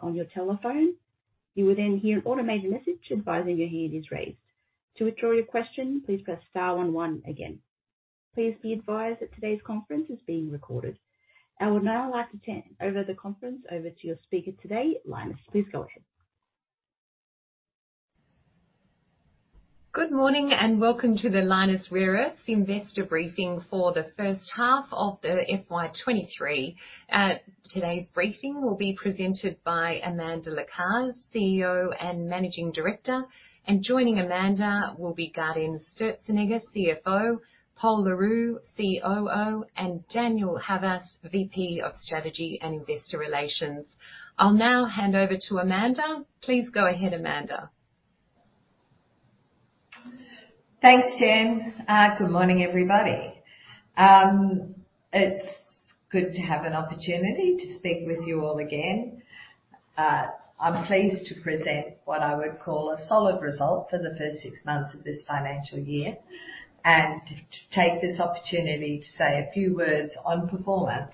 On your telephone. You will then hear an automated message advising you, your hand is raised. To withdraw your question, please press star one one again. Please be advised that today's conference is being recorded. I would now like to turn over the conference over to your speaker today, Lynas. Please go ahead. Good morning and welcome to the Lynas Rare Earths Investor briefing for the first half of the FY 2023. Today's briefing will be presented by Amanda Lacaze, CEO and Managing Director. Joining Amanda will be Gaudenz Sturzenegger, CFO, Pol Le Roux, COO, and Daniel Havas, VP of Strategy and Investor Relations. I'll now hand over to Amanda. Please go ahead, Amanda. Thanks, Jen. Good morning, everybody. It's good to have an opportunity to speak with you all again. I'm pleased to present what I would call a solid result for the first six months of this financial year and to take this opportunity to say a few words on performance.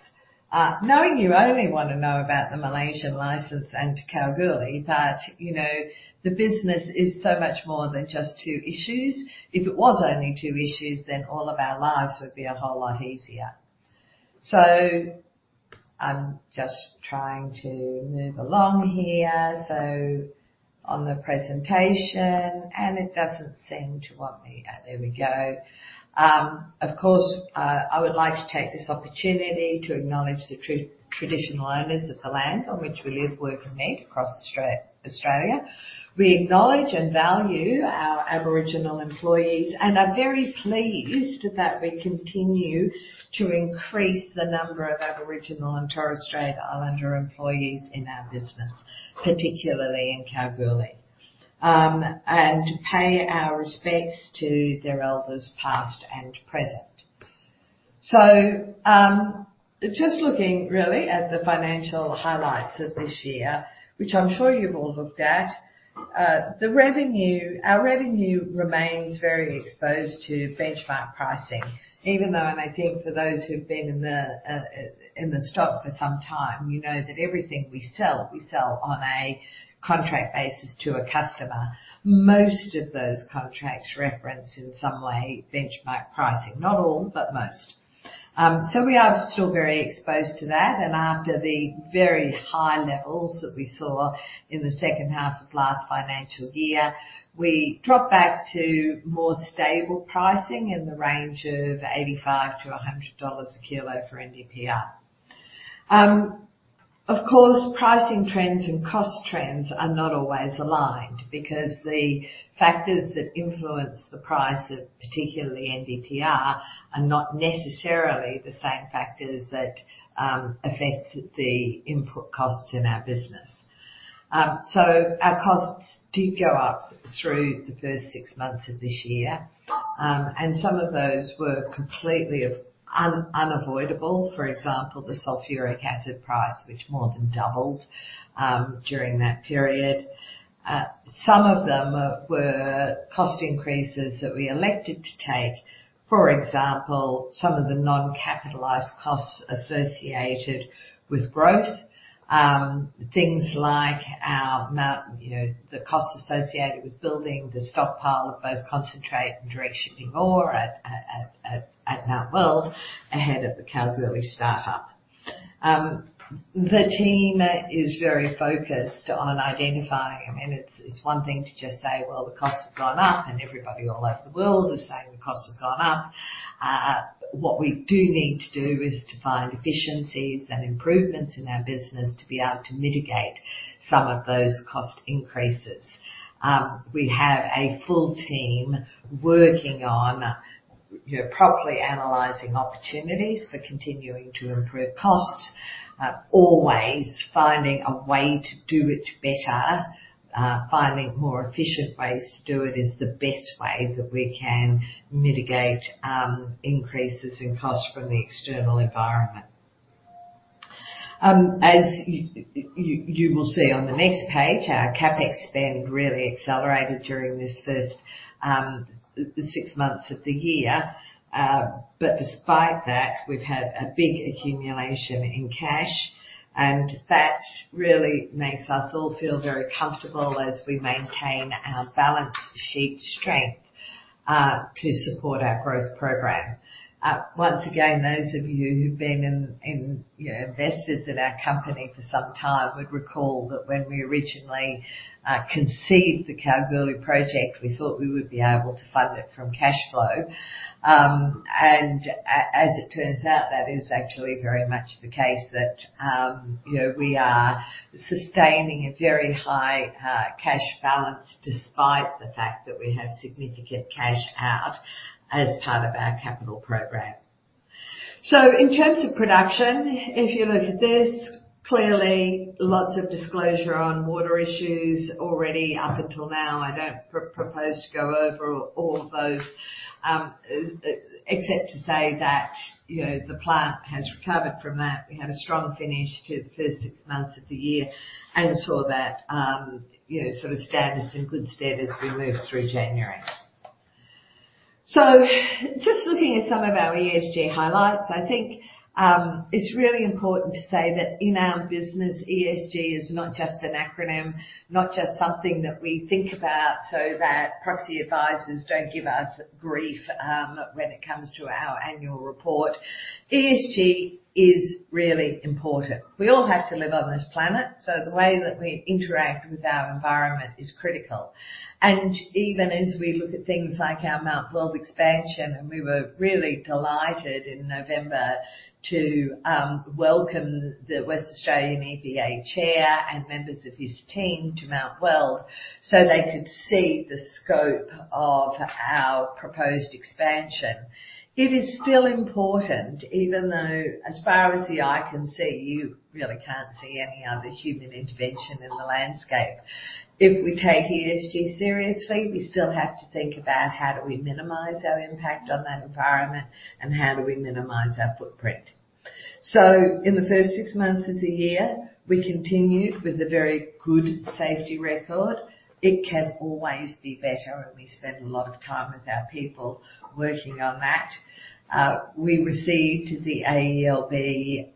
Knowing you only want to know about the Malaysian license and Kalgoorlie, but, you know, the business is so much more than just two issues. If it was only two issues, then all of our lives would be a whole lot easier. I'm just trying to move along here. On the presentation, and it doesn't seem to want me. There we go. Of course, I would like to take this opportunity to acknowledge the traditional owners of the land on which we live, work, and meet across Australia. We acknowledge and value our Aboriginal employees and are very pleased that we continue to increase the number of Aboriginal and Torres Strait Islander employees in our business, particularly in Kalgoorlie. Pay our respects to their elders, past and present. Just looking really at the financial highlights of this year, which I'm sure you've all looked at. The revenue, our revenue remains very exposed to benchmark pricing, even though, and I think for those who've been in the stock for some time, you know that everything we sell, we sell on a contract basis to a customer. Most of those contracts reference in some way benchmark pricing. Not all, but most. We are still very exposed to that. After the very high levels that we saw in the second half of last financial year, we dropped back to more stable pricing in the range of $85-$100 a kilo for NdPr. Of course, pricing trends and cost trends are not always aligned because the factors that influence the price of particularly NdPr are not necessarily the same factors that affect the input costs in our business. Our costs did go up through the first six months of this year, and some of those were completely unavoidable. For example, the sulfuric acid price, which more than doubled during that period. Some of them were cost increases that we elected to take. For example, some of the non-capitalized costs associated with growth. Things like our, you know, the cost associated with building the stockpile of both concentrate and direct shipping ore at Mt Weld ahead of the Kalgoorlie startup. The team is very focused on identifying them. It's one thing to just say, "Well, the cost has gone up," and everybody all over the world is saying the cost has gone up. What we do need to do is to find efficiencies and improvements in our business to be able to mitigate some of those cost increases. We have a full team working on, you know, properly analyzing opportunities for continuing to improve costs. Always finding a way to do it better. Finding more efficient ways to do it is the best way that we can mitigate increases in costs from the external environment. As you will see on the next page, our CapEx spend really accelerated during this first 6 months of the year. Despite that, we've had a big accumulation in cash, and that really makes us all feel very comfortable as we maintain our balance sheet strength to support our growth program. Once again, those of you who've been in, you know, investors in our company for some time would recall that when we originally conceived the Kalgoorlie project, we thought we would be able to fund it from cash flow. As it turns out, that is actually very much the case that, you know, we are sustaining a very high cash balance despite the fact that we have significant cash out as part of our capital program. In terms of production, if you look at this, clearly lots of disclosure on water issues already up until now. I don't propose to go over all of those, except to say that, you know, the plant has recovered from that. We had a strong finish to the first 6 months of the year and saw that, you know, sort of status in good stead as we move through January. Just looking at some of our ESG highlights, I think, it's really important to say that in our business, ESG is not just an acronym, not just something that we think about so that proxy advisors don't give us grief, when it comes to our annual report. ESG is really important. We all have to live on this planet, so the way that we interact with our environment is critical. Even as we look at things like our Mt Weld expansion, we were really delighted in November to welcome the West Australian EPA chair and members of his team to Mt Weld, so they could see the scope of our proposed expansion. It is still important, even though as far as the eye can see, you really can't see any other human intervention in the landscape. If we take ESG seriously, we still have to think about how do we minimize our impact on that environment and how do we minimize our footprint. In the first six months of the year, we continued with a very good safety record. It can always be better, and we spend a lot of time with our people working on that. We received the AELB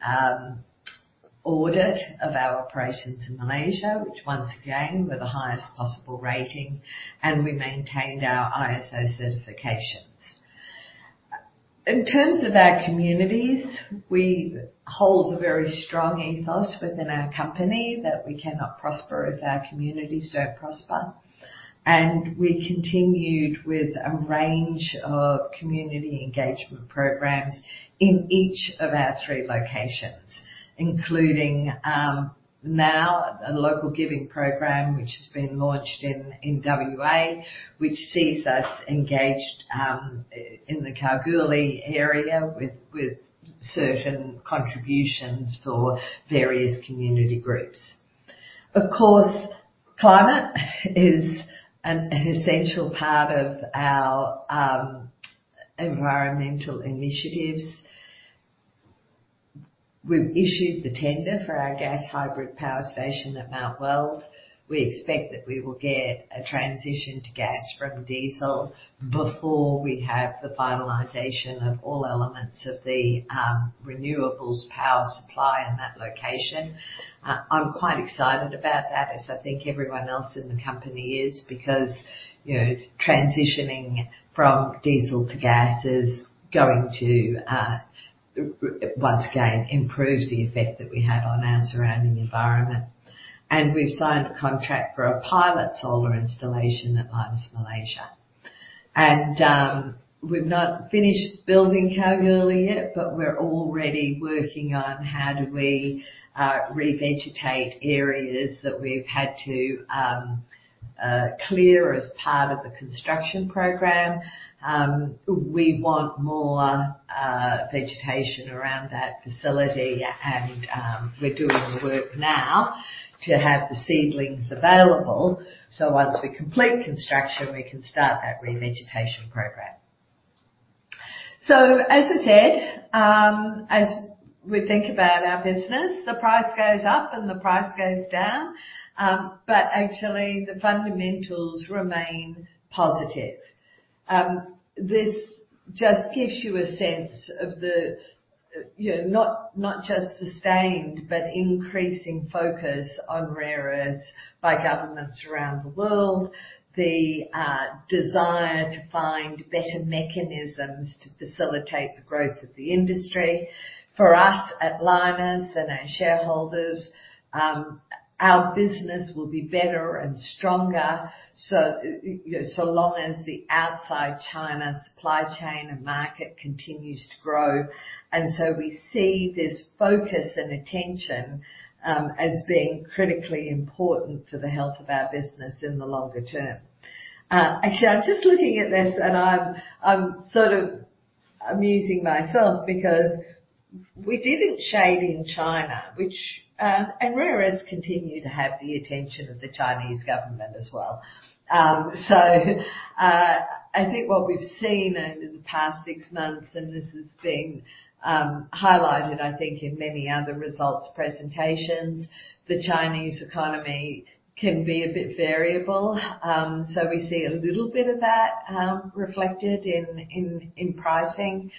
audit of our operations in Malaysia, which once again were the highest possible rating. We maintained our ISO certifications. In terms of our communities, we hold a very strong ethos within our company that we cannot prosper if our communities don't prosper. We continued with a range of community engagement programs in each of our three locations, including now a local giving program which has been launched in WA, which sees us engaged in the Kalgoorlie area with certain contributions for various community groups. Of course, climate is an essential part of our environmental initiatives. We've issued the tender for our gas hybrid power station at Mt Weld. We expect that we will get a transition to gas from diesel before we have the finalization of all elements of the renewables power supply in that location. I'm quite excited about that, as I think everyone else in the company is because, you know, transitioning from diesel to gas is going to once again improve the effect that we have on our surrounding environment. We've signed a contract for a pilot solar installation at Lynas Malaysia. We've not finished building Kalgoorlie yet, but we're already working on how do we revegetate areas that we've had to clear as part of the construction program. We want more vegetation around that facility and we're doing the work now to have the seedlings available, so once we complete construction, we can start that revegetation program. As I said, as we think about our business, the price goes up and the price goes down, but actually the fundamentals remain positive. This just gives you a sense of the, you know, not just sustained, but increasing focus on rare earths by governments around the world. The desire to find better mechanisms to facilitate the growth of the industry. For us at Lynas and our shareholders, our business will be better and stronger, you know, so long as the outside China supply chain and market continues to grow. We see this focus and attention as being critically important for the health of our business in the longer term. Actually, I'm just looking at this and I'm sort of amusing myself because we didn't shade in China, which, and rare earths continue to have the attention of the Chinese government as well. I think what we've seen over the past six months, and this has been highlighted I think in many other results presentations, the Chinese economy can be a bit variable. We see a little bit of that reflected in pricing.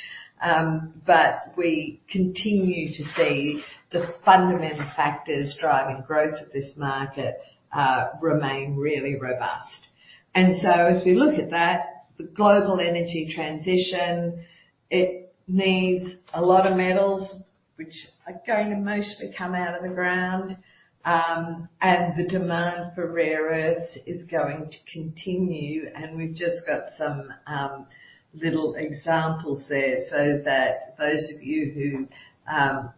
We continue to see the fundamental factors driving growth of this market remain really robust. As we look at that, the global energy transition, it needs a lot of metals which are going to mostly come out of the ground. The demand for rare earths is going to continue. We've just got some little examples there so that those of you who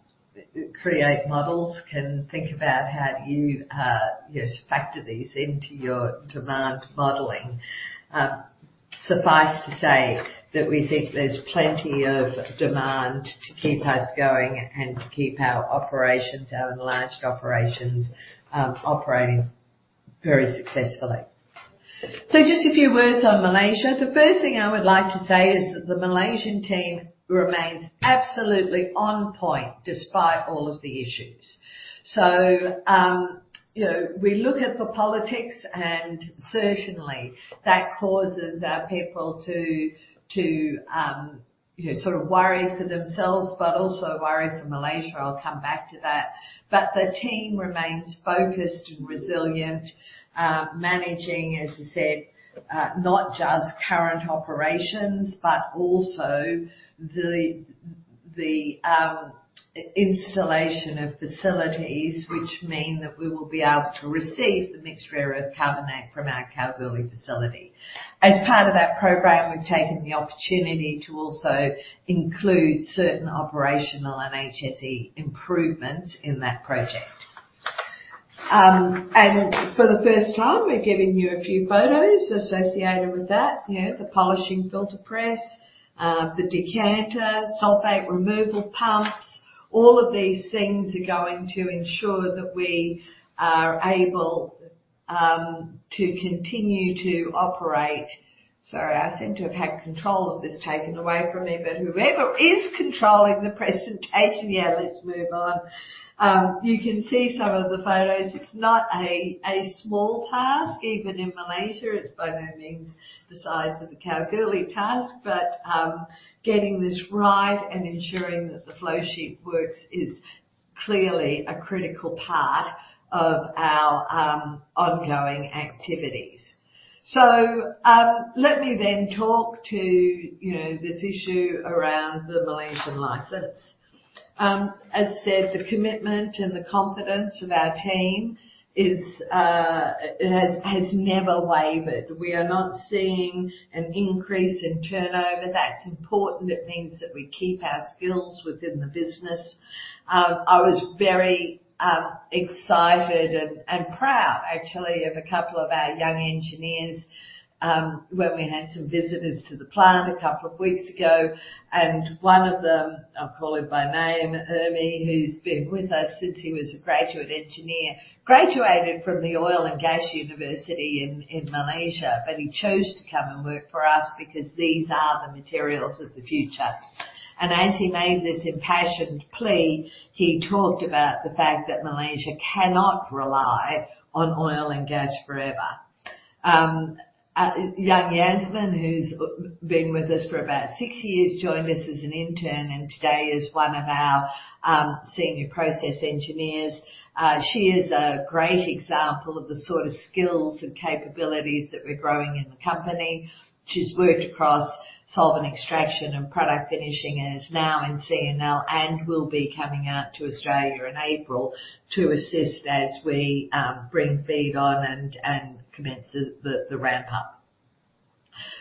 create models can think about how do you know, factor these into your demand modeling. Suffice to say that we think there's plenty of demand to keep us going and to keep our operations, our enlarged operations, operating very successfully. Just a few words on Malaysia. The first thing I would like to say is that the Malaysian team remains absolutely on point despite all of the issues. You know, we look at the politics and certainly that causes our people to, you know, sort of worry for themselves, but also worry for Malaysia. I'll come back to that. The team remains focused and resilient, managing, as I said, not just current operations, but also the installation of facilities which mean that we will be able to receive the mixed rare earth carbonate from our Kalgoorlie facility. As part of that program, we've taken the opportunity to also include certain operational and HSE improvements in that project. For the first time, we're giving you a few photos associated with that. You know, the polishing filter press, the decanter, sulfate removal pumps. All of these things are going to ensure that we are able to continue to operate. Sorry, I seem to have had control of this taken away from me. Whoever is controlling the presentation, let's move on. You can see some of the photos. It's not a small task. Even in Malaysia, it's by no means the size of the Kalgoorlie task, but getting this right and ensuring that the flow sheet works is clearly a critical part of our ongoing activities. Let me then talk to, you know, this issue around the Malaysian license. As said, the commitment and the confidence of our team has never wavered. We are not seeing an increase in turnover. That's important. It means that we keep our skills within the business. I was very excited and proud actually of a couple of our young engineers when we had some visitors to the plant a couple of weeks ago. One of them, I'll call him by name, Ernie, who's been with us since he was a graduate engineer, graduated from the Oil and Gas University in Malaysia. He chose to come and work for us because these are the materials of the future. As he made this impassioned plea, he talked about the fact that Malaysia cannot rely on oil and gas forever. Jan Yasmin, who's been with us for about six years, joined us as an intern and today is one of our senior process engineers. She is a great example of the sort of skills and capabilities that we're growing in the company. She's worked across solvent extraction and product finishing and is now in CNL and will be coming out to Australia in April to assist as we bring feed on and commence the ramp up.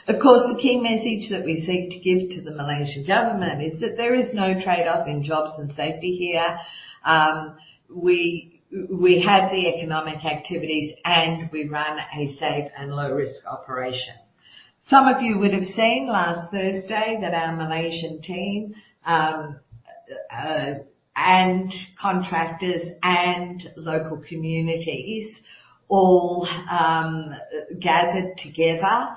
Of course, the key message that we seek to give to the Malaysian government is that there is no trade-off in jobs and safety here. We have the economic activities, and we run a safe and low-risk operation. Some of you would have seen last Thursday that our Malaysian team, contractors and local communities all gathered together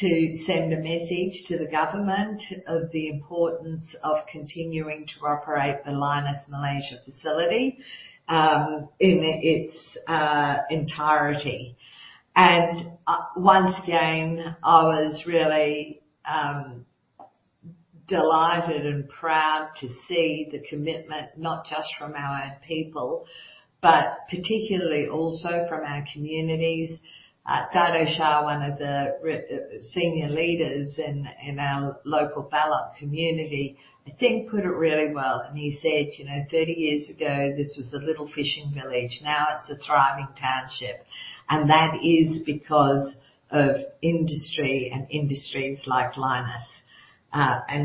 to send a message to the government of the importance of continuing to operate the Lynas Malaysia facility in its entirety. Once again, I was really delighted and proud to see the commitment not just from our own people, but particularly also from our communities. Dhanesh Shah, one of the senior leaders in our local Balok community, I think, put it really well, and he said, "You know, 30 years ago, this was a little fishing village. Now it's a thriving township, and that is because of industry and industries like Lynas."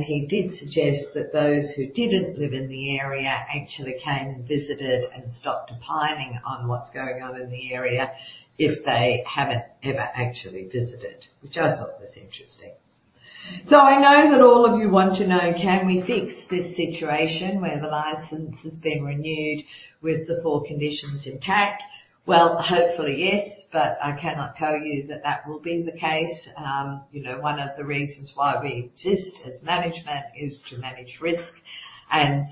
He did suggest that those who didn't live in the area actually came and visited and stopped opining on what's going on in the area if they haven't ever actually visited, which I thought was interesting. I know that all of you want to know, can we fix this situation where the license has been renewed with the 4 conditions intact? Hopefully yes, but I cannot tell you that that will be the case. You know, one of the reasons why we exist as management is to manage risk,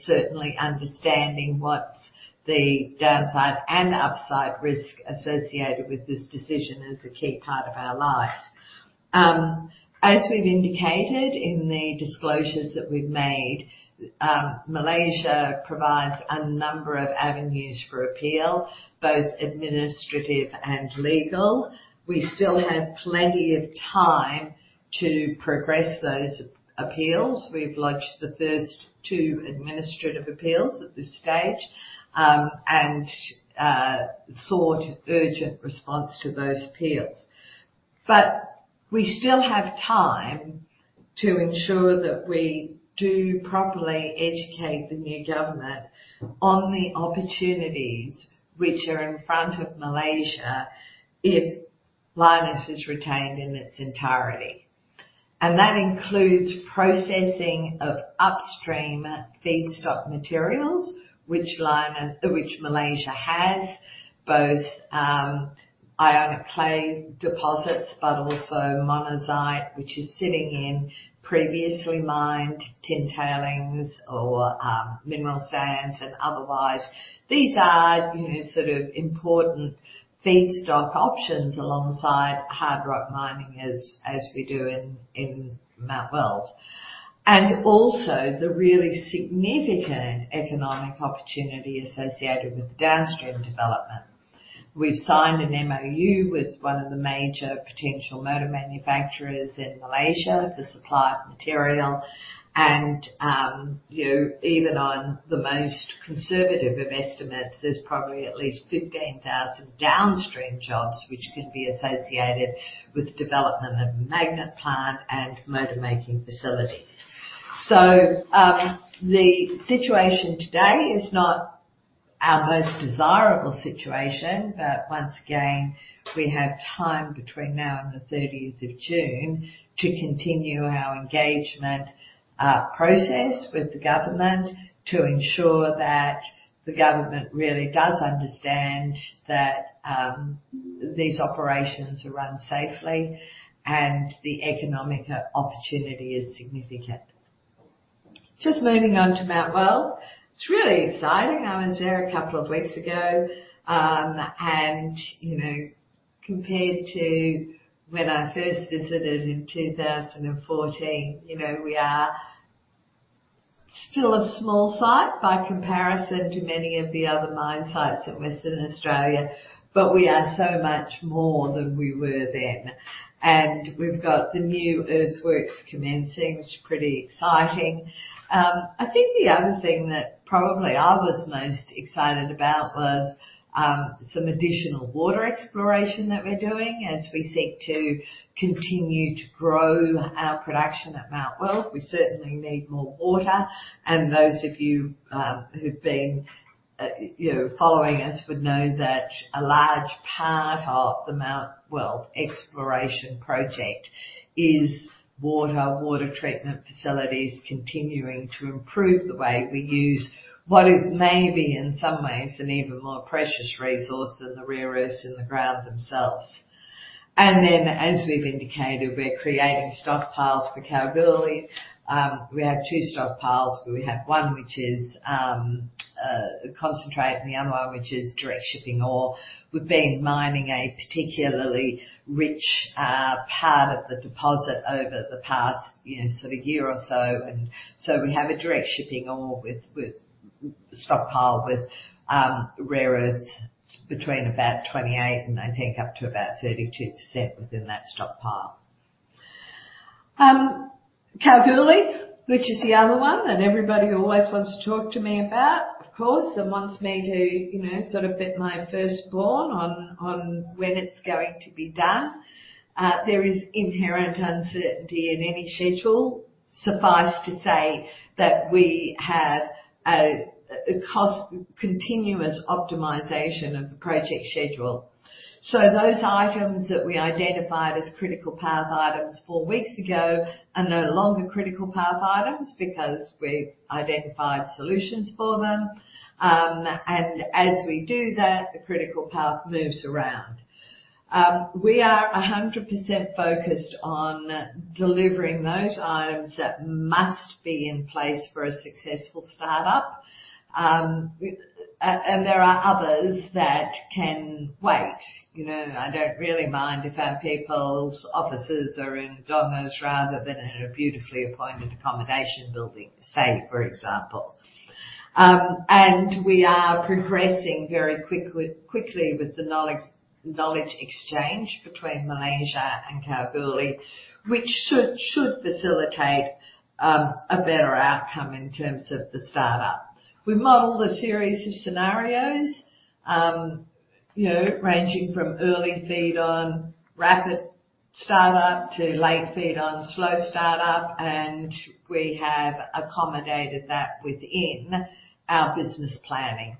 certainly understanding what's the downside and upside risk associated with this decision is a key part of our lives. As we've indicated in the disclosures that we've made, Malaysia provides a number of avenues for appeal, both administrative and legal. We still have plenty of time to progress those appeals. We've lodged the first two administrative appeals at this stage, and sought urgent response to those appeals. We still have time to ensure that we do properly educate the new government on the opportunities which are in front of Malaysia if Lynas is retained in its entirety. That includes processing of upstream feedstock materials which Malaysia has both ionic clay deposits, but also monazite which is sitting in previously mined tin tailings or mineral sands and otherwise. These are, you know, sort of important feedstock options alongside hard rock mining as we do in Mt Weld. Also the really significant economic opportunity associated with downstream development. We've signed an MoU with one of the major potential motor manufacturers in Malaysia for supply of material. You know, even on the most conservative of estimates, there's probably at least 15,000 downstream jobs which can be associated with development of a magnet plant and motor making facilities. The situation today is not our most desirable situation, but once again, we have time between now and the 30th of June to continue our engagement process with the government to ensure that the government really does understand that these operations are run safely and the economic opportunity is significant. Just moving on to Mt Weld. It's really exciting. I was there a couple of weeks ago. You know, compared to when I first visited in 2014, you know, we are still a small site by comparison to many of the other mine sites in Western Australia, but we are so much more than we were then. We've got the new earthworks commencing, which is pretty exciting. I think the other thing that probably I was most excited about was, some additional water exploration that we're doing as we seek to continue to grow our production at Mt Weld. We certainly need more water. Those of you, who've been, you know, following us would know that a large part of the Mt Weld exploration project is water treatment facilities continuing to improve the way we use what is maybe in some ways an even more precious resource than the rare earths in the ground themselves. As we've indicated, we're creating stockpiles for Kalgoorlie. We have two stockpiles. We have one which is concentrate and the other one which is direct shipping ore. We've been mining a particularly rich part of the deposit over the past, you know, sort of year or so. We have a direct shipping ore with stockpile with rare earths between about 28 and I think up to about 32% within that stockpile. Kalgoorlie, which is the other one and everybody always wants to talk to me about, of course, and wants me to, you know, sort of bet my firstborn on when it's going to be done. There is inherent uncertainty in any schedule. Suffice to say that we have a cost continuous optimization of the project schedule. Those items that we identified as critical path items four weeks ago are no longer critical path items because we identified solutions for them. And as we do that, the critical path moves around. We are 100% focused on delivering those items that must be in place for a successful start-up. And there are others that can wait. You know, I don't really mind if people's offices are in dongas rather than in a beautifully appointed accommodation building, say, for example. And we are progressing very quickly with the knowledge exchange between Malaysia and Kalgoorlie, which should facilitate a better outcome in terms of the start-up. We've modeled a series of scenarios, you know, ranging from early feed on rapid start-up to late feed on slow start-up, and we have accommodated that within our business planning.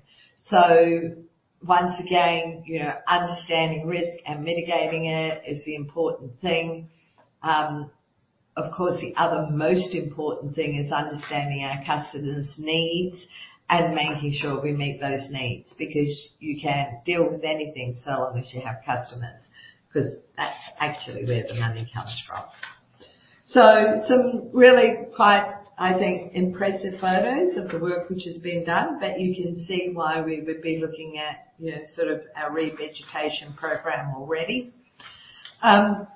Once again, you know, understanding risk and mitigating it is the important thing. Of course, the other most important thing is understanding our customers' needs and making sure we meet those needs because you can deal with anything so long as you have customers, 'cause that's actually where the money comes from. Some really quite, I think, impressive photos of the work which has been done, but you can see why we would be looking at, you know, sort of our revegetation program already.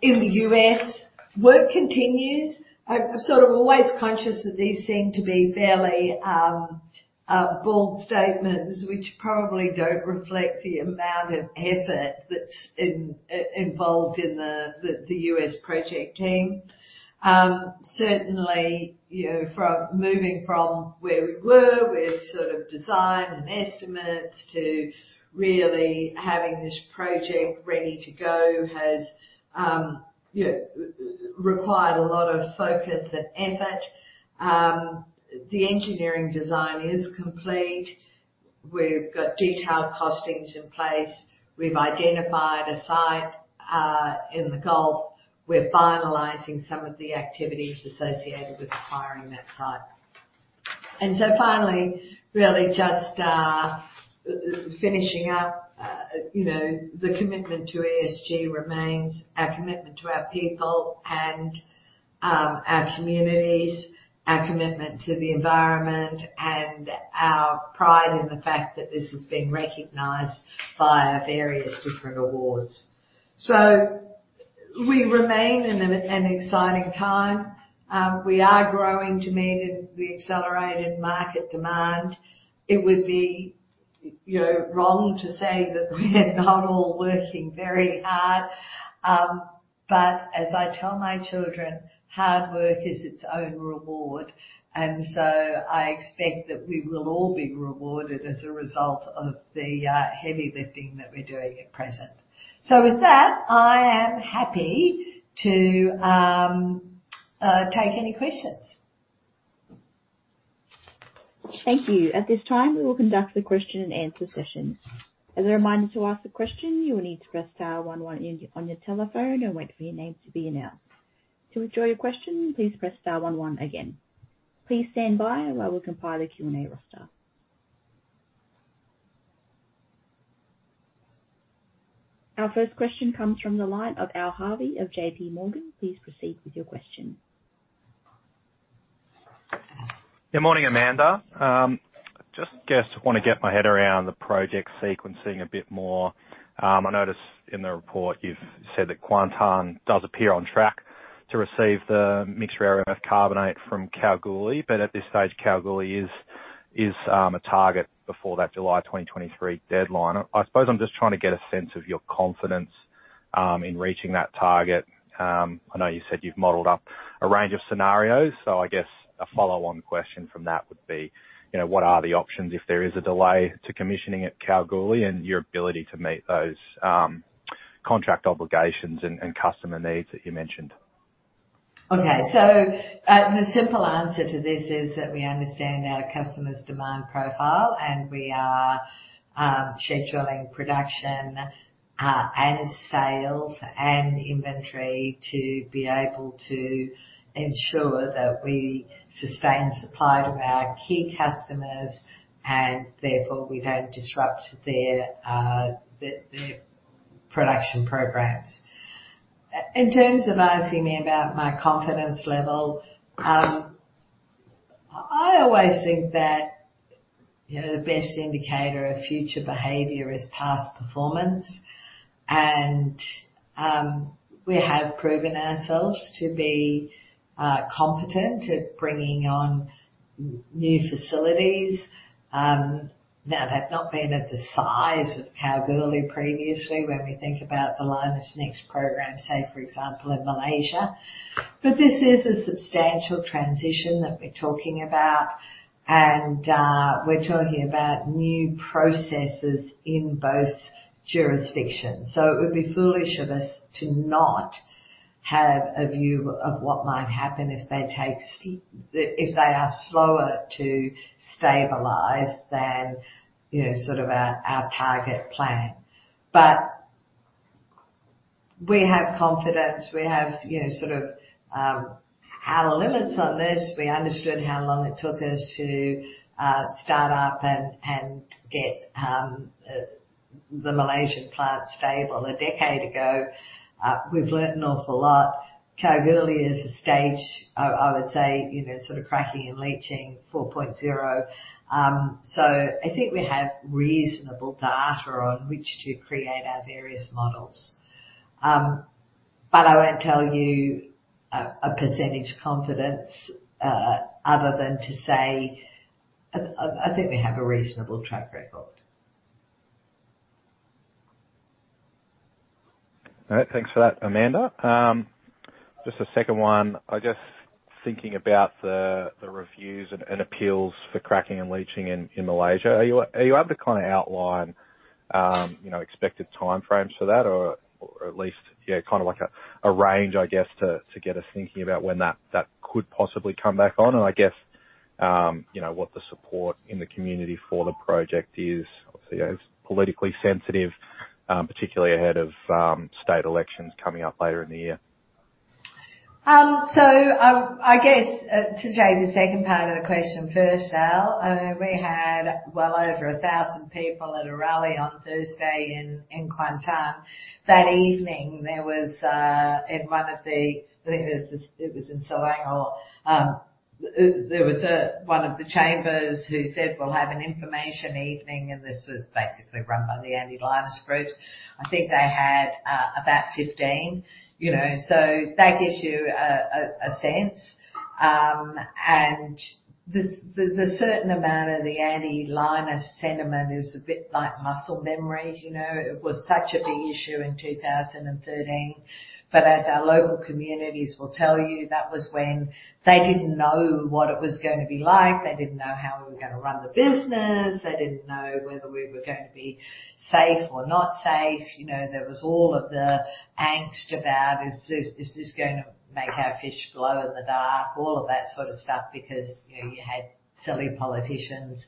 In the U.S., work continues. I'm sort of always conscious that these seem to be fairly bold statements which probably don't reflect the amount of effort that's involved in the U.S. project team. Certainly, you know, from moving from where we were with sort of design and estimates to really having this project ready to go has, you know, required a lot of focus and effort. The engineering design is complete. We've got detailed costings in place. We've identified a site in the Gulf. We're finalizing some of the activities associated with acquiring that site. Finally, really just finishing up, you know, the commitment to ESG remains. Our commitment to our people and our communities, our commitment to the environment and our pride in the fact that this has been recognized by various different awards. We remain in an exciting time. We are growing to meet the accelerated market demand. It would be, you know, wrong to say that we are not all working very hard. As I tell my children, hard work is its own reward. I expect that we will all be rewarded as a result of the heavy lifting that we're doing at present. With that, I am happy to take any questions. Thank you. At this time, we will conduct the question and answer session. As a reminder, to ask a question, you will need to press star one one on your telephone and wait for your name to be announced. To withdraw your question, please press star one one again. Please stand by while we compile a Q&A roster. Our first question comes from the line of Al Harvey of JPMorgan. Please proceed with your question. Good morning, Amanda. Just guess, want to get my head around the project sequencing a bit more. I noticed in the report you've said that Kuantan does appear on track to receive the mixed rare earth carbonate from Kalgoorlie, but at this stage, Kalgoorlie is a target before that July 2023 deadline. I suppose I'm just trying to get a sense of your confidence in reaching that target. I know you said you've modeled up a range of scenarios. I guess a follow-on question from that would be, you know, what are the options if there is a delay to commissioning at Kalgoorlie and your ability to meet those contract obligations and customer needs that you mentioned? The simple answer to this is that we understand our customers' demand profile, and we are scheduling production and sales and inventory to be able to ensure that we sustain supply to our key customers and therefore we don't disrupt their production programs. In terms of asking me about my confidence level, I always think that, you know, the best indicator of future behavior is past performance. We have proven ourselves to be competent at bringing on new facilities. Now they've not been at the size of Kalgoorlie previously when we think about the Lynas next program, say for example, in Malaysia. This is a substantial transition that we're talking about, and we're talking about new processes in both jurisdictions. It would be foolish of us to not have a view of what might happen if they are slower to stabilize than, you know, sort of our target plan. We have confidence. We have, you know, sort of, our limits on this. We understood how long it took us to start up and get the Malaysian plant stable a decade ago. We've learned an awful lot. Kalgoorlie is a stage, I would say, you know, sort of cracking and leaching 4.0. I think we have reasonable data on which to create our various models. I won't tell you a percentage confidence other than to say I think we have a reasonable track record. All right. Thanks for that, Amanda. Just a second one. I'm just thinking about the reviews and appeals for cracking and leaching in Malaysia. Are you able to kinda outline, you know, expected time frames for that or at least, you know, kinda like a range, I guess, to get us thinking about when that could possibly come back on? I guess, you know, what the support in the community for the project is. Obviously, you know, it's politically sensitive, particularly ahead of state elections coming up later in the year. So, I guess, to take the second part of the question first, Al, we had well over 1,000 people at a rally on Thursday in Kuantan. That evening, there was, in one of the... I think it was in Selangor. There was, one of the chambers who said, "We'll have an information evening." This was basically run by the anti-Lynas groups. I think they had, about 15, you know. That gives you a sense. And the certain amount of the anti-Lynas sentiment is a bit like muscle memory. You know, it was such a big issue in 2013. But as our local communities will tell you, that was when they didn't know what it was going to be like. They didn't know how we were going to run the business. They didn't know whether we were going to be safe or not safe. You know, there was all of the angst about, is this going to make our fish glow in the dark? All of that sort of stuff, because, you know, you had silly politicians,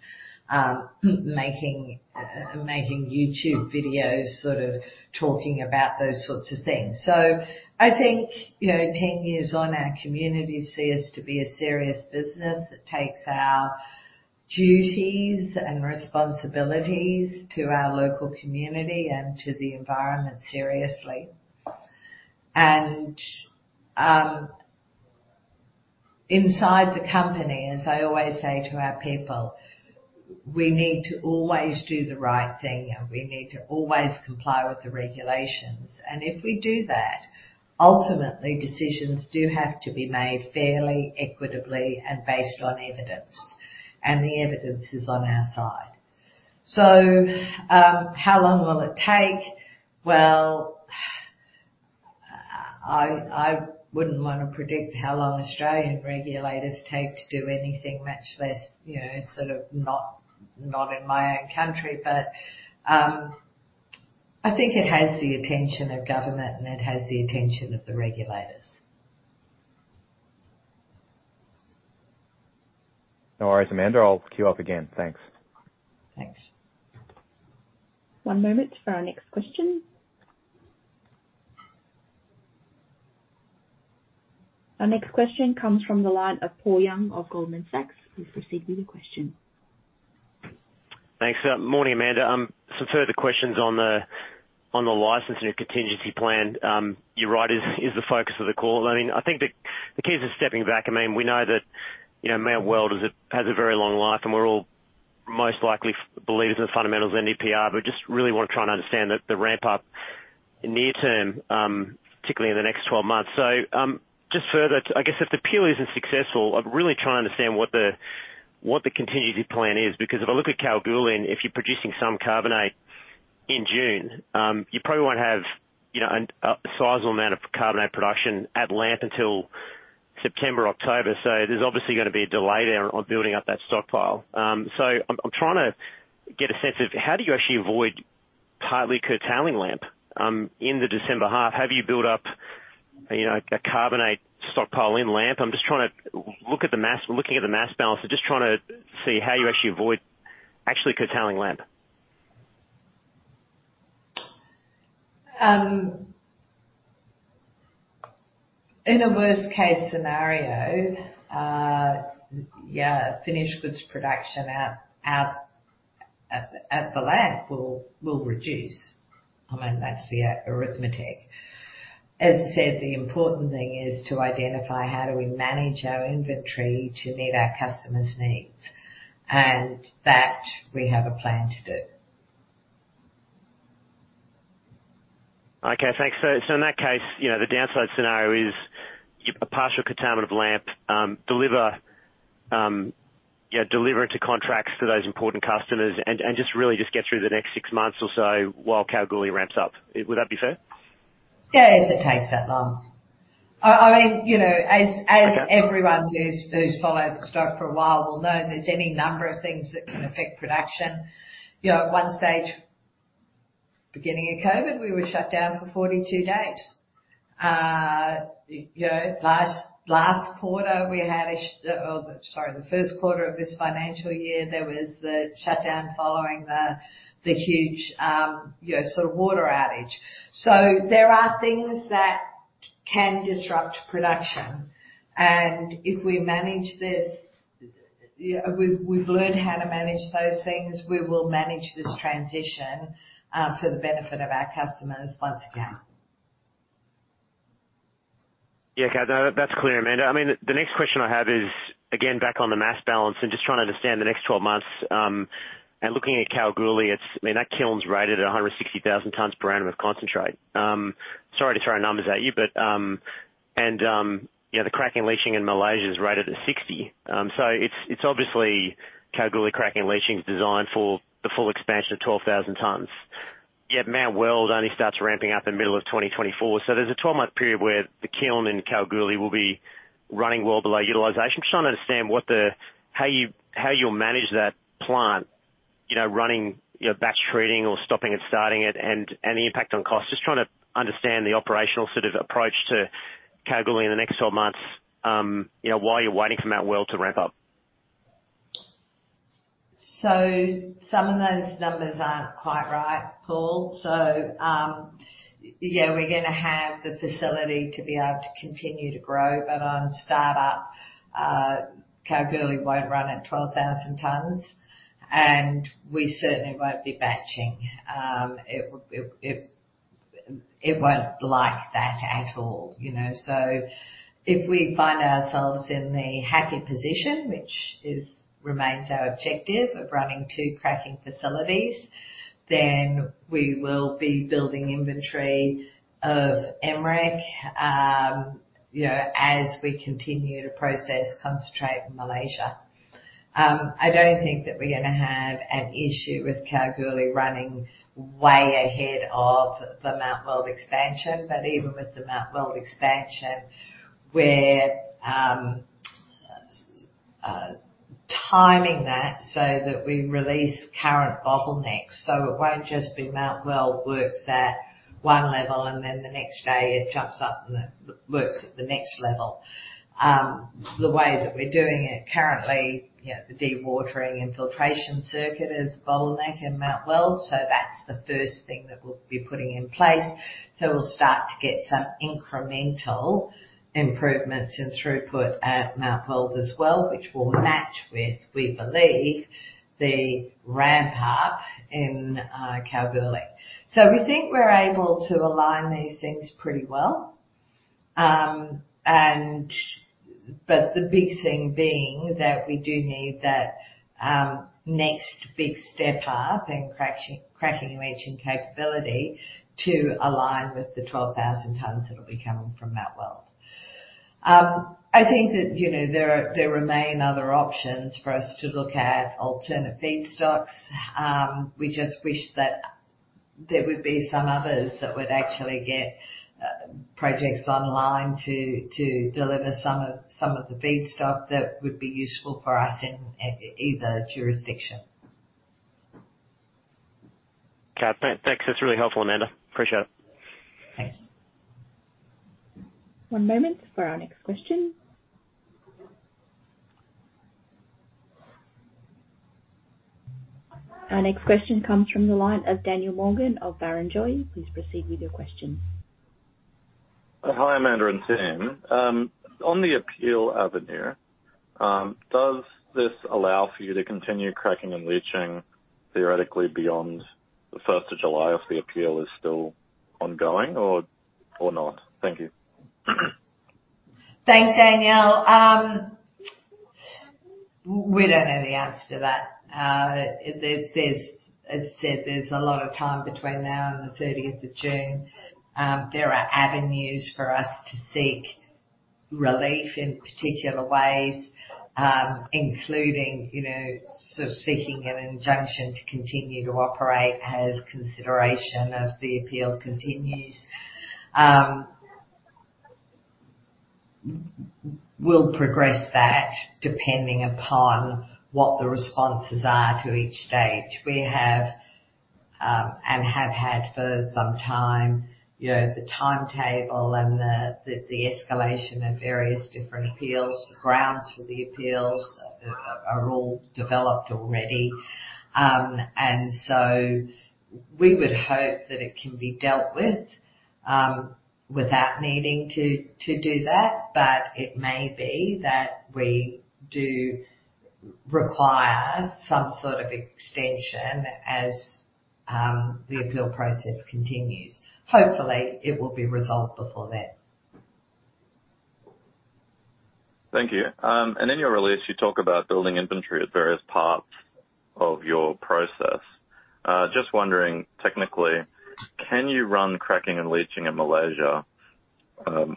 making YouTube videos sort of talking about those sorts of things. I think, you know, 10 years on, our community see us to be a serious business that takes our duties and responsibilities to our local community and to the environment seriously. Inside the company, as I always say to our people, we need to always do the right thing, and we need to always comply with the regulations. If we do that, ultimately decisions do have to be made fairly, equitably and based on evidence, and the evidence is on our side. How long will it take? Well, I wouldn't want to predict how long Australian regulators take to do anything, much less, you know, sort of not in my own country. I think it has the attention of government and it has the attention of the regulators. No worries, Amanda. I'll queue up again. Thanks. Thanks. One moment for our next question. Our next question comes from the line of Paul Young of Goldman Sachs. Please proceed with your question. Thanks. Morning, Amanda. Some further questions on the license and your contingency plan. You're right, is the focus of the call. I mean, I think the key is just stepping back. I mean, we know that, you know, Mt Weld has a very long life, and we're all most likely believers in the fundamentals of NdPr, but just really want to try and understand the ramp up near term, particularly in the next 12 months. Just further to, I guess, if the appeal isn't successful, I'm really trying to understand what the contingency plan is. If I look at Kalgoorlie, and if you're producing some carbonate in June, you probably won't have, you know, a sizable amount of carbonate production at LAMP until September, October. There's obviously going to be a delay there on building up that stockpile. I'm trying to get a sense of how do you actually avoid partly curtailing LAMP in the December half? Have you built up, you know, a carbonate stockpile in LAMP? We're looking at the mass balance. Just trying to see how you actually avoid actually curtailing LAMP. In a worst case scenario, finished goods production at the LAMP will reduce. I mean, that's the arithmetic. As I said, the important thing is to identify how do we manage our inventory to meet our customers' needs. That we have a plan to do. Okay. Thanks. In that case, you know, the downside scenario is a partial curtailment of LAMP, deliver, yeah, deliver to contracts to those important customers and just really just get through the next six months or so while Kalgoorlie ramps up. Would that be fair? Yeah, if it takes that long. I mean, you know... Okay. As everyone who's followed the stock for a while will know, there's any number of things that can affect production. You know, at one stage, beginning of COVID, we were shut down for 42 days. You know, the first quarter of this financial year, there was the shutdown following the huge, you know, sort of water outage. There are things that can disrupt production. If we manage this, you know, we've learned how to manage those things. We will manage this transition for the benefit of our customers once again. Yeah. Okay. No, that's clear, Amanda. I mean, the next question I have is, again, back on the mass balance and just trying to understand the next 12 months, looking at Kalgoorlie, it's, I mean, that kiln's rated at 160,000 tonnes per annum of concentrate. Sorry to throw numbers at you know, the cracking and leaching in Malaysia is rated at 60. It's obviously Kalgoorlie cracking and leaching is designed for the full expansion of 12,000 tonnes, yet Mt Weld only starts ramping up in the middle of 2024. There's a 12-month period where the kiln in Kalgoorlie will be running well below utilization. Just trying to understand what the... How you'll manage that plant, you know, running, you know, batch treating or stopping and starting it and the impact on cost? Just trying to understand the operational sort of approach to Kalgoorlie in the next 12 months, you know, while you're waiting for Mt Weld to ramp up. Some of those numbers aren't quite right, Paul. Yeah, we're going to have the facility to be able to continue to grow, but on startup, Kalgoorlie won't run at 12,000 tonnes, and we certainly won't be batching. It won't like that at all, you know? If we find ourselves in the happy position, which is, remains our objective of running two cracking facilities, then we will be building inventory of MREC, you know, as we continue to process concentrate in Malaysia. I don't think that we're going to have an issue with Kalgoorlie running way ahead of the Mt Weld expansion. Even with the Mt Weld expansion, we're timing that so that we release current bottlenecks. It won't just be Mt Weld works at 1 level and then the next day it jumps up and it works at the next level. The way that we're doing it currently, you know, the dewatering and filtration circuit is bottleneck in Mt Weld, so that's the first thing that we'll be putting in place. We'll start to get some incremental improvements in throughput at Mt Weld as well, which will match with, we believe, the ramp up in Kalgoorlie. We think we're able to align these things pretty well. The big thing being that we do need that next big step up in cracking and leaching capability to align with the 12,000 tonnes that'll be coming from Mt Weld. I think that, you know, there remain other options for us to look at alternate feedstocks. We just wish that there would be some others that would actually get projects online to deliver some of the feedstock that would be useful for us in either jurisdiction. Okay. Thanks. That's really helpful, Amanda. Appreciate it. Thanks. One moment for our next question. Our next question comes from the line of Daniel Morgan of Barrenjoey. Please proceed with your question. Hi, Amanda and team. On the appeal avenue, does this allow for you to continue cracking and leaching theoretically beyond the first of July if the appeal is still ongoing or not? Thank you. Thanks, Daniel. We don't know the answer to that. As I said, there's a lot of time between now and the 30th of June. There are avenues for us to seek relief in particular ways, including, you know, sort of seeking an injunction to continue to operate as consideration as the appeal continues. We'll progress that depending upon what the responses are to each stage. We have, and have had for some time, you know, the timetable and the escalation of various different appeals. The grounds for the appeals are all developed already. We would hope that it can be dealt with, without needing to do that. It may be that we do require some sort of extension as the appeal process continues. Hopefully, it will be resolved before then. Thank you. In your release, you talk about building inventory at various parts of your process. Just wondering, technically, can you run cracking and leaching in Malaysia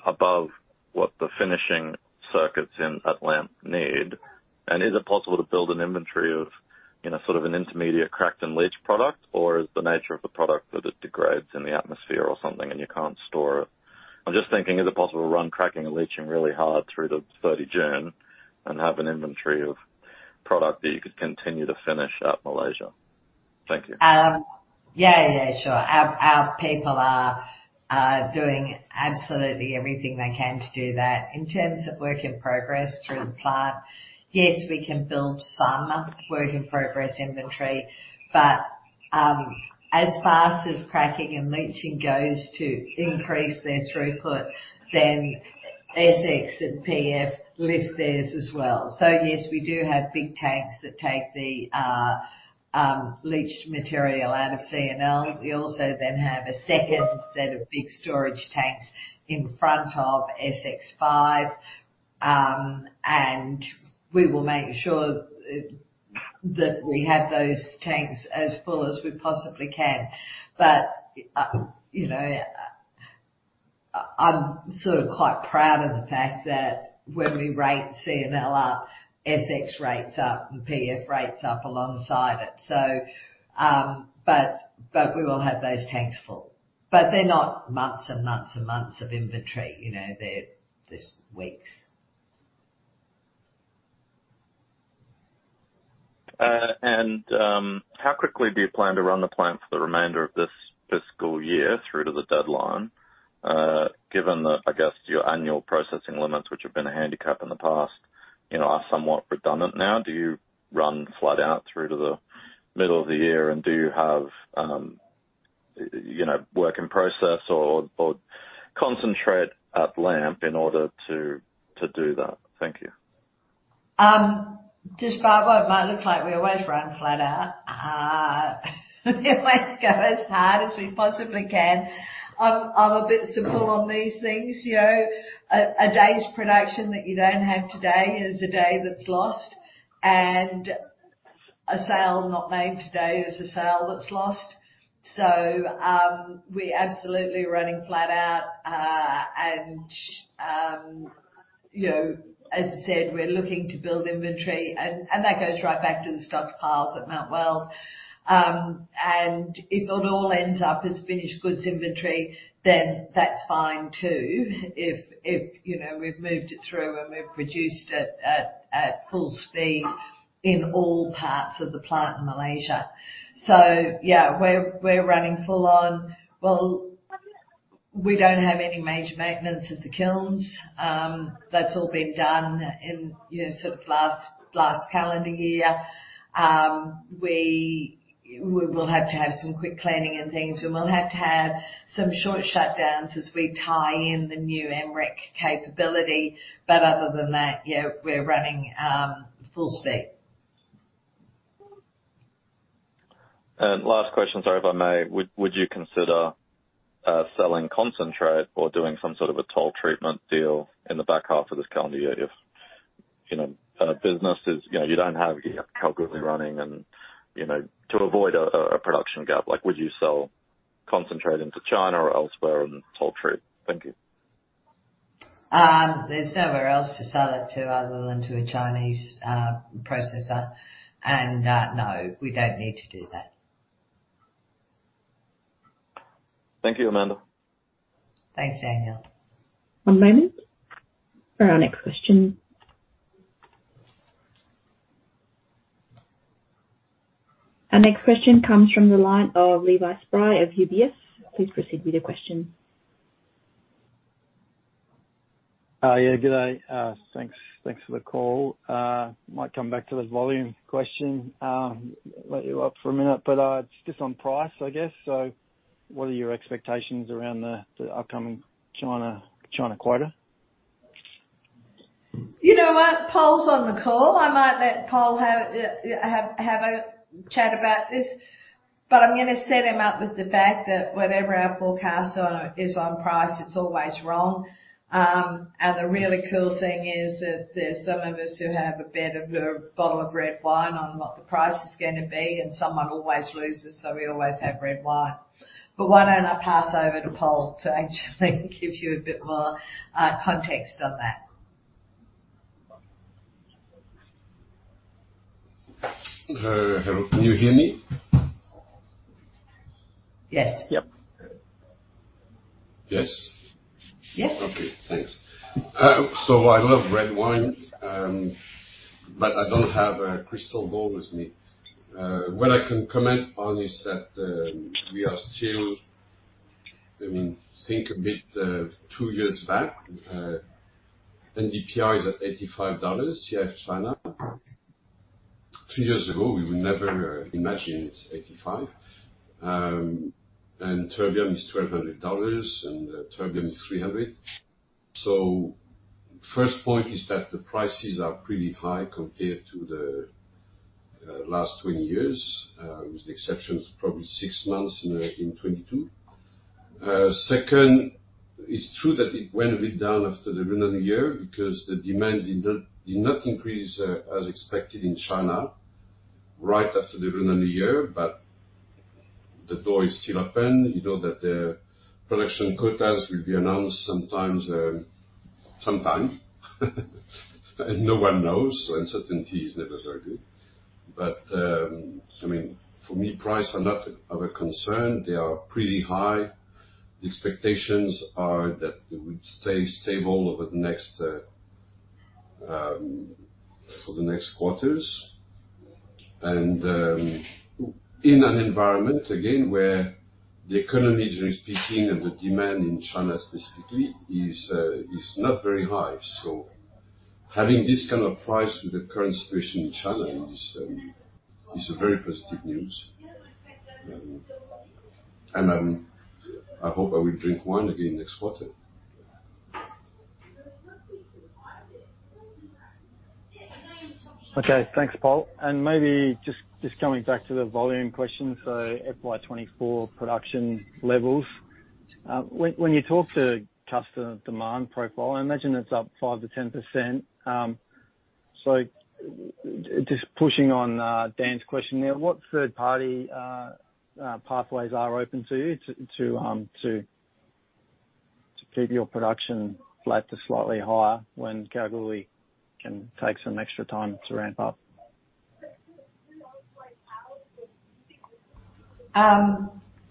above what the finishing circuits in at LAMP need? Is it possible to build an inventory of, you know, sort of an intermediate cracked and leached product? Is the nature of the product that it degrades in the atmosphere or something and you can't store it? I'm just thinking, is it possible to run cracking and leaching really hard through the 30 June and have an inventory of product that you could continue to finish at Malaysia? Thank you. Yeah, yeah, sure. Our people are doing absolutely everything they can to do that. In terms of work in progress through the plant, yes, we can build some work in progress inventory. As fast as cracking and leaching goes to increase their throughput, then SX and PF lifts theirs as well. Yes, we do have big tanks that take the leached material out of CNL. We also then have a second set of big storage tanks in front of SX5. We will make sure that we have those tanks as full as we possibly can. You know, I'm sort of quite proud of the fact that when we rate CNL up, SX rates up and PF rates up alongside it. We will have those tanks full. They're not months and months and months of inventory. You know, they're just weeks. How quickly do you plan to run the plant for the remainder of this fiscal year through to the deadline, given that, I guess, your annual processing limits, which have been a handicap in the past, you know, are somewhat redundant now? Do you run flat out through to the middle of the year? Do you have, you know, work in process or concentrate at LAMP in order to do that? Thank you. Despite what it might look like, we always run flat out. We always go as hard as we possibly can. I'm a bit simple on these things. You know, a day's production that you don't have today is a day that's lost. A sale not made today is a sale that's lost. We're absolutely running flat out. And, you know, as I said, we're looking to build inventory, and that goes right back to the stockpiles at Mt Weld. And if it all ends up as finished goods inventory, then that's fine too. If, you know, we've moved it through and we've produced it at full speed in all parts of the plant in Malaysia. Yeah, we're running full on. Well, we don't have any major maintenance at the kilns. That's all been done in, you know, sort of last calendar year. We will have to have some quick cleaning and things, and we'll have to have some short shutdowns as we tie in the new MREC capability. Other than that, yeah, we're running full speed. Last question, sorry if I may. Would you consider selling concentrate or doing some sort of a TOL treatment deal in the back half of this calendar year if, you know, business is, you know, you don't have Kalgoorlie running and, you know, to avoid a production gap? Like, would you sell concentrate into China or elsewhere on TOL treat? Thank you. There's nowhere else to sell it to other than to a Chinese processor. No, we don't need to do that. Thank you, Amanda. Thanks, Daniel. One moment for our next question. Our next question comes from the line of Levi Spry of UBS. Please proceed with your question. Yeah, good day. Thanks for the call. Might come back to the volume question later on for a minute, but just on price, I guess. What are your expectations around the upcoming China quota? You know what? Pol's on the call. I might let Pol have a chat about this, but I'm going to set him up with the fact that whatever our forecast on it is on price, it's always wrong. And the really cool thing is that there's some of us who have a bet over a bottle of red wine on what the price is going to be, and someone always loses, so we always have red wine. But why don't I pass over to Pol to actually give you a bit more context on that. Hello. Can you hear me? Yes. Yep. Yes? Yes. Okay, thanks. I love red wine, I don't have a crystal ball with me. What I can comment on is that we are still, I mean, think a bit, two years back, NdPr is at $85 CIF China. 2 years ago, we would never imagine it's $85. Terbium is $1,200 and dysprosium is $300. First point is that the prices are pretty high compared to the last 20 years, with the exception of probably 6 months in 2022. Second, it's true that it went a bit down after the Lunar New Year because the demand did not increase as expected in China right after the Lunar New Year, the door is still open. You know that the production quotas will be announced sometime. No one knows. Uncertainty is never very good. I mean, for me, price are not of a concern. They are pretty high. The expectations are that they would stay stable over the next for the next quarters. In an environment, again, where the economy is respeaking and the demand in China specifically is not very high. Having this kind of price with the current situation in China is a very positive news. I hope I will drink wine again next quarter. Okay. Thanks, Pol. Maybe just coming back to the volume question, FY 2024 production levels. When you talk to customer demand profile, I imagine it's up 5%-10%. Just pushing on Dan's question there, what third-party pathways are open to you to keep your production flat to slightly higher when Kalgoorlie can take some extra time to ramp up?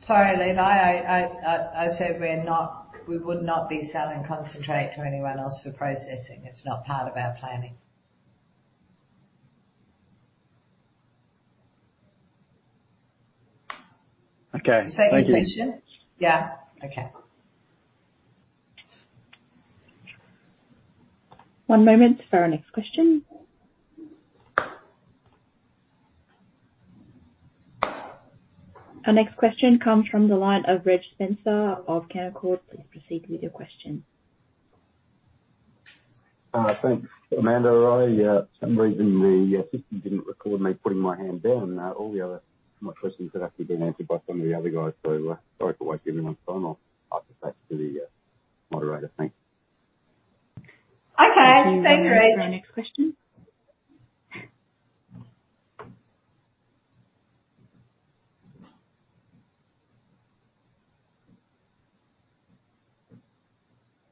Sorry, Levi. I said we would not be selling concentrate to anyone else for processing. It's not part of our planning. Okay. Thank you. Same question? Yeah. Okay. One moment for our next question. Our next question comes from the line of Reg Spencer of Canaccord. Please proceed with your question. Thanks, Amanda. I, some reason the system didn't record me putting my hand down. All the other, my questions had actually been answered by some of the other guys. Sorry for wasting everyone's time. I'll pass it back to the moderator. Thanks. Okay. Thanks, Reg.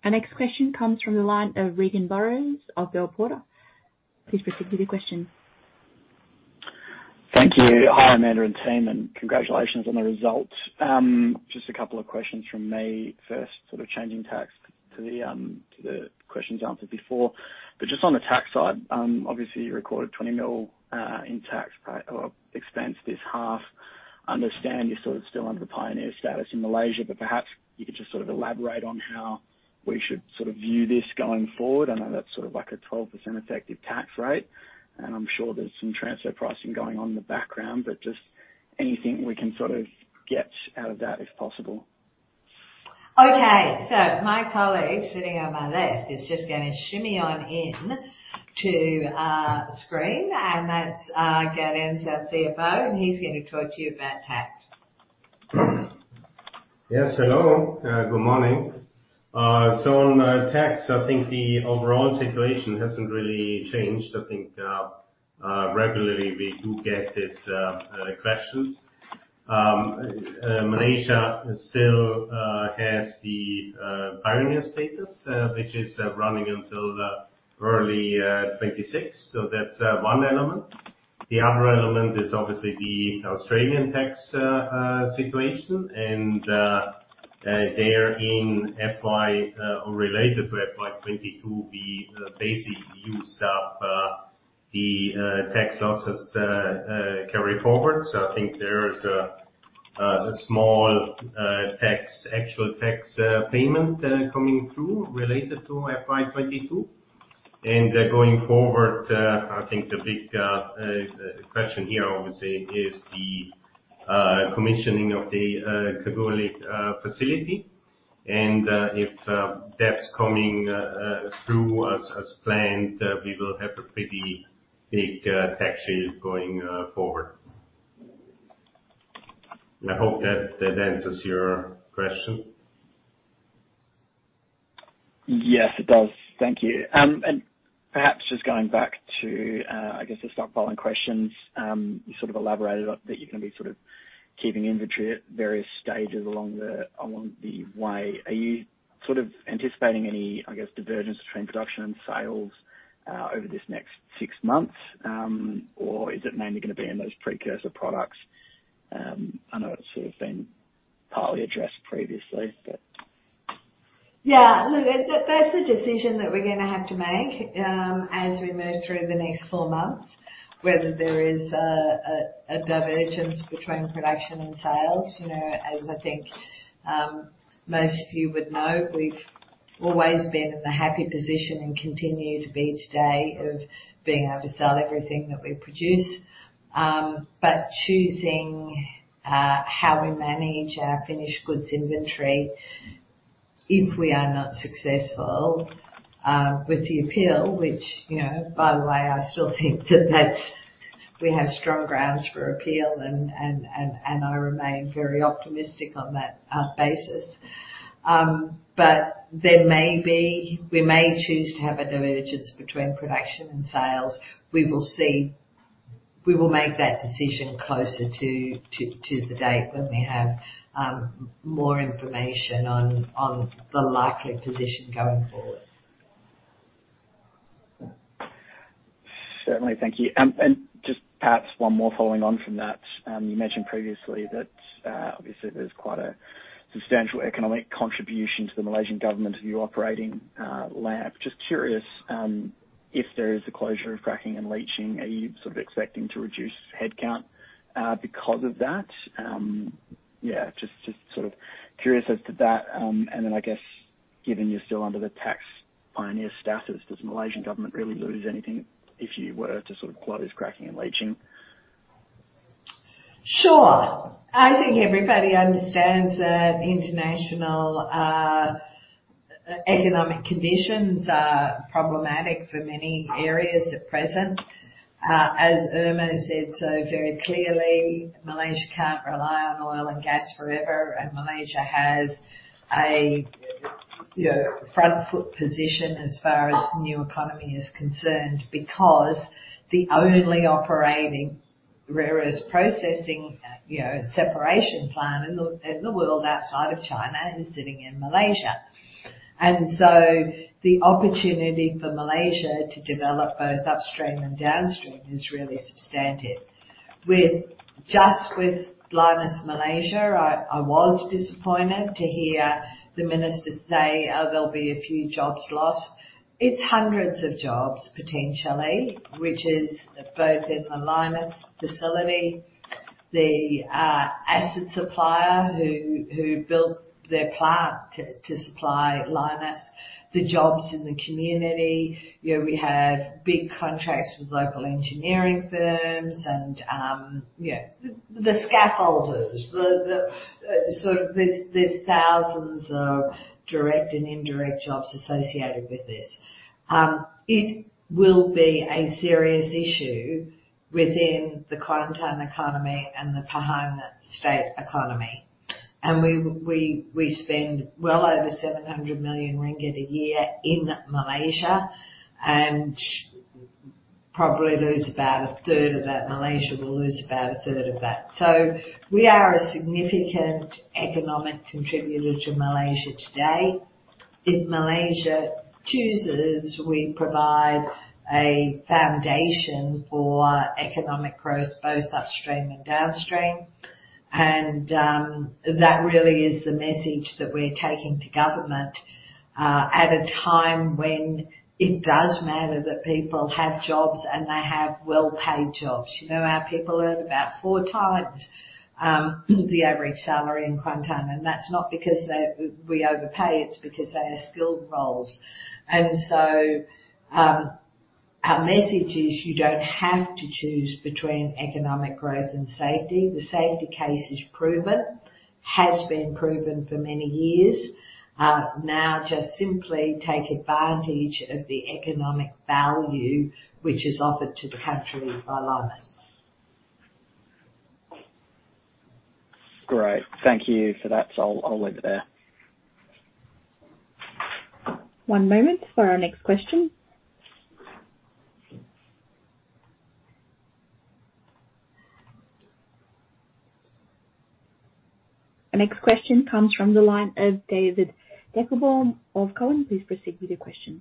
Our next question comes from the line of Regan Burrows of Bell Potter. Please proceed with your question. Thank you. Hi, Amanda and team, and congratulations on the results. Just a couple of questions from me. First, sort of changing tax to the, to the questions answered before. Just on the tax side, obviously, you recorded 20 million in tax expense this half. Understand you're sort of still under the Pioneer Status in Malaysia, perhaps you could just sort of elaborate on how we should sort of view this going forward. I know that's sort of like a 12% effective tax rate, and I'm sure there's some transfer pricing going on in the background, just anything we can sort of get out of that if possible? Okay. My colleague sitting on my left is just going to shimmy on in to screen, and that's Gaudenz, our CFO, and he's going to talk to you about tax. Yes. Hello. Good morning. On tax, I think the overall situation hasn't really changed. I think regularly we do get this questions. Malaysia still has the Pioneer Status, which is running until early 2026. That's one element. The other element is obviously the Australian tax situation and there in FY or related to FY 2022, we basically used up the tax losses carry forward. I think there's a small tax, actual tax payment coming through related to FY 2022. Going forward, I think the big question here, obviously, is the commissioning of the Kalgoorlie facility. If that's coming through as planned, we will have a pretty big tax shield going forward. I hope that answers your question. Yes, it does. Thank you. Perhaps just going back to, I guess the stock following questions. You sort of elaborated on that you're going to be sort of keeping inventory at various stages along the, along the way. Are you sort of anticipating any, I guess, divergence between production and sales, over this next six months? Is it mainly going to be in those precursor products? I know it's sort of been partly addressed previously, but. Yeah. Look, that's a decision that we're going to have to make as we move through the next four months, whether there is a divergence between production and sales. You know, as I think most of you would know, we've always been in the happy position and continue to be today of being able to sell everything that we produce. Choosing how we manage our finished goods inventory if we are not successful with the appeal, which, you know, by the way, I still think we have strong grounds for appeal and I remain very optimistic on that basis. We may choose to have a divergence between production and sales. We will see. We will make that decision closer to the date when we have more information on the likely position going forward. Certainly. Thank you. Just perhaps one more following on from that. You mentioned previously that obviously there's quite a substantial economic contribution to the Malaysian Government of your operating LAMP. Just curious, if there is a closure of cracking and leaching, are you sort of expecting to reduce headcount because of that? Just sort of curious as to that. I guess given you're still under the tax Pioneer Status, does Malaysian Government really lose anything if you were to sort of close cracking and leaching? Sure. I think everybody understands that international economic conditions are problematic for many areas at present. As Irma said so very clearly, Malaysia can't rely on oil and gas forever and Malaysia has a, you know, front foot position as far as new economy is concerned because the only operating rare earths processing, you know, separation plant in the world outside of China is sitting in Malaysia. The opportunity for Malaysia to develop both upstream and downstream is really substantive. Just with Lynas Malaysia, I was disappointed to hear the minister say, "Oh, there'll be a few jobs lost." It's hundreds of jobs potentially, which is both in the Lynas facility, the asset supplier who built their plant to supply Lynas, the jobs in the community. You know, we have big contracts with local engineering firms and, you know, the scaffolders. The sort of there's thousands of direct and indirect jobs associated with this. It will be a serious issue within the Kuantan economy and the Pahang state economy. We spend well over 700 million ringgit a year in Malaysia and probably lose about 1/3 of that. Malaysia will lose about 1/3 of that. We are a significant economic contributor to Malaysia today. If Malaysia chooses, we provide a foundation for economic growth, both upstream and downstream. That really is the message that we're taking to government at a time when it does matter that people have jobs and they have well-paid jobs. You know, our people earn about 4x the average salary in Kuantan, and that's not because we overpay, it's because they are skilled roles. Our message is you don't have to choose between economic growth and safety. The safety case is proven, has been proven for many years. Now just simply take advantage of the economic value which is offered to the country by Lynas. Great. Thank you for that. I'll leave it there. One moment for our next question. Our next question comes from the line of David Deckelbaum of Cowen. Please proceed with your question.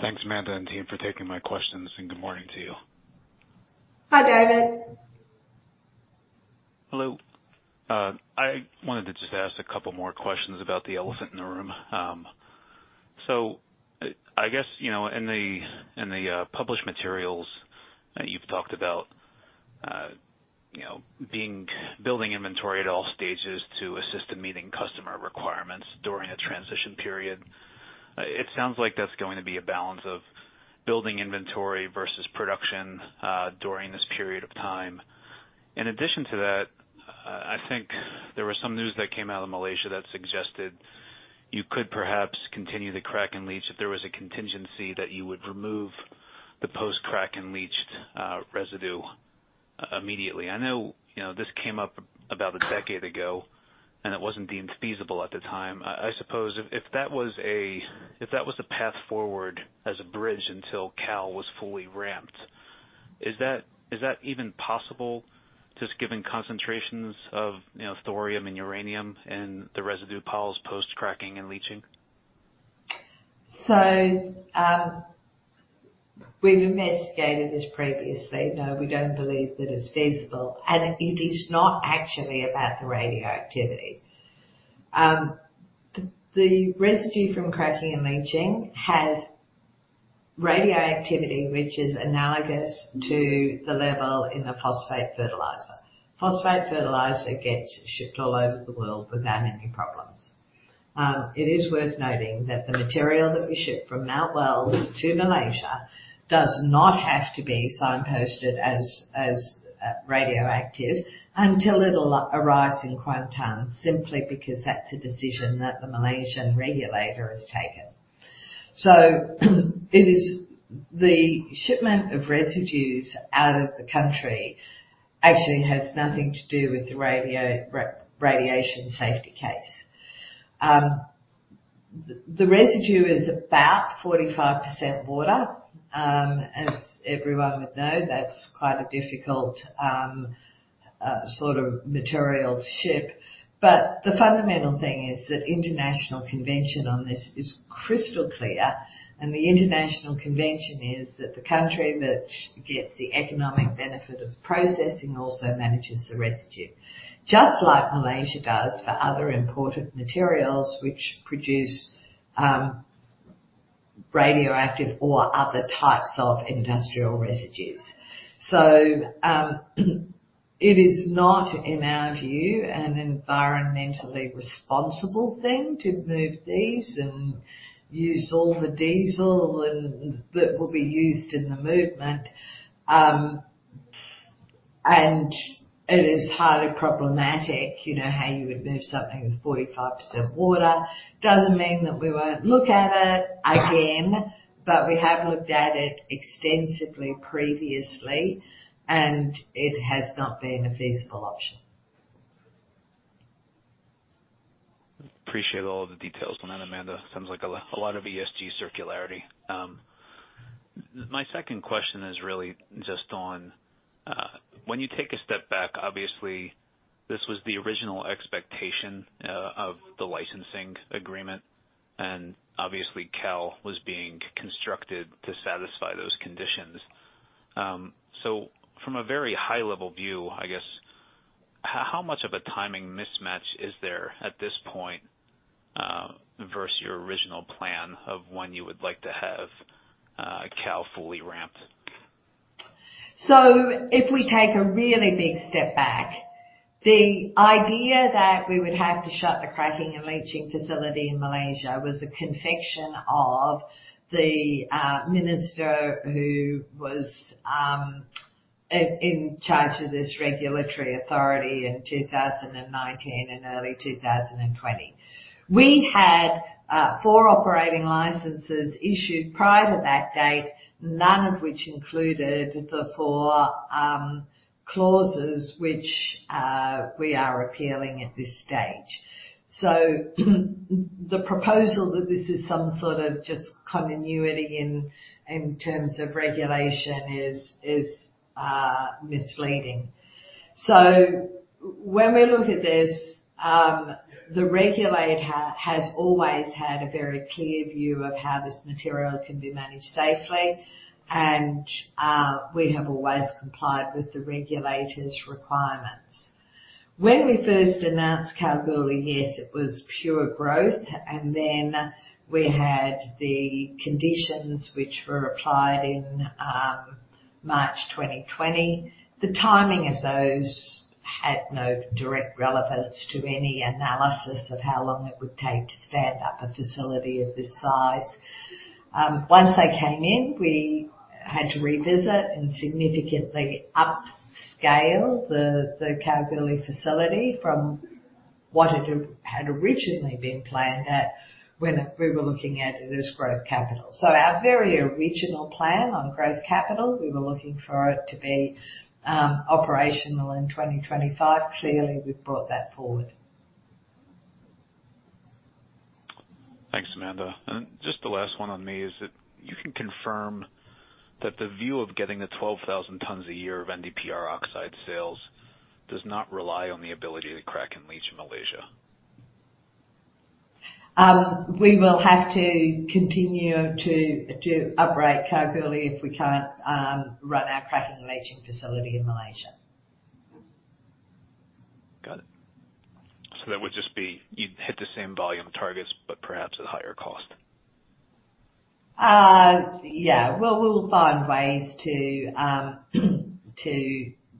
Thanks, Amanda and team, for taking my questions. Good morning to you. Hi, David. Hello. I wanted to just ask a couple more questions about the elephant in the room. I guess, you know, in the, in the published materials that you've talked about, you know, building inventory at all stages to assist in meeting customer requirements during a transition period. It sounds like that's going to be a balance of building inventory versus production during this period of time. In addition to that, I think there was some news that came out of Malaysia that suggested you could perhaps continue the crack and leach if there was a contingency that you would remove the post-crack and leached residue immediately. I know, you know, this came up about a decade ago. It wasn't deemed feasible at the time. I suppose if that was a, if that was the path forward as a bridge until Kal was fully ramped, is that even possible, just given concentrations of, you know, thorium and uranium in the residue piles post-cracking and leaching? We've investigated this previously. No, we don't believe that it's feasible, and it is not actually about the radioactivity. The residue from cracking and leaching has radioactivity which is analogous to the level in a phosphate fertilizer. Phosphate fertilizer gets shipped all over the world without any problems. It is worth noting that the material that we ship from Mt Weld to Malaysia does not have to be signposted as radioactive until it arrives in Kuantan, simply because that's a decision that the Malaysian regulator has taken. The shipment of residues out of the country actually has nothing to do with the radiation safety case. The residue is about 45% water. As everyone would know, that's quite a difficult sort of material to ship. The fundamental thing is that international convention on this is crystal clear. The international convention is that the country which gets the economic benefit of processing also manages the residue. Just like Malaysia does for other imported materials which produce radioactive or other types of industrial residues. It is not, in our view, an environmentally responsible thing to move these and use all the diesel that will be used in the movement. It is highly problematic, you know, how you would move something with 45% water. Doesn't mean that we won't look at it again, but we have looked at it extensively previously, and it has not been a feasible option. Appreciate all the details on that, Amanda. Sounds like a lot of ESG circularity. My second question is really just on when you take a step back, obviously this was the original expectation of the licensing agreement, and obviously Kal was being constructed to satisfy those conditions. From a very high-level view, I guess, how much of a timing mismatch is there at this point, versus your original plan of when you would like to have Kal fully ramped? If we take a really big step back, the idea that we would have to shut the cracking and leaching facility in Malaysia was a confection of the minister who was in charge of this regulatory authority in 2019 and early 2020. We had four operating licenses issued prior to that date, none of which included the four clauses which we are appealing at this stage. The proposal that this is some sort of just continuity in terms of regulation is misleading. When we look at this, the regulator has always had a very clear view of how this material can be managed safely. We have always complied with the regulator's requirements. When we first announced Kalgoorlie, yes, it was pure growth. Then we had the conditions which were applied in March 2020. The timing of those had no direct relevance to any analysis of how long it would take to stand up a facility of this size. Once they came in, we had to revisit and significantly upscale the Kalgoorlie facility from what it had originally been planned at when we were looking at it as growth capital. Our very original plan on growth capital, we were looking for it to be operational in 2025. Clearly, we've brought that forward. Thanks, Amanda. Just the last one on me is that you can confirm that the view of getting the 12,000 tonnes a year of NdPr oxide sales does not rely on the ability to crack and leach in Malaysia. We will have to continue to operate Kalgoorlie if we can't run our cracking and leaching facility in Malaysia. Got it. That would just be you'd hit the same volume targets, but perhaps at higher cost. Yeah. Well, we'll find ways to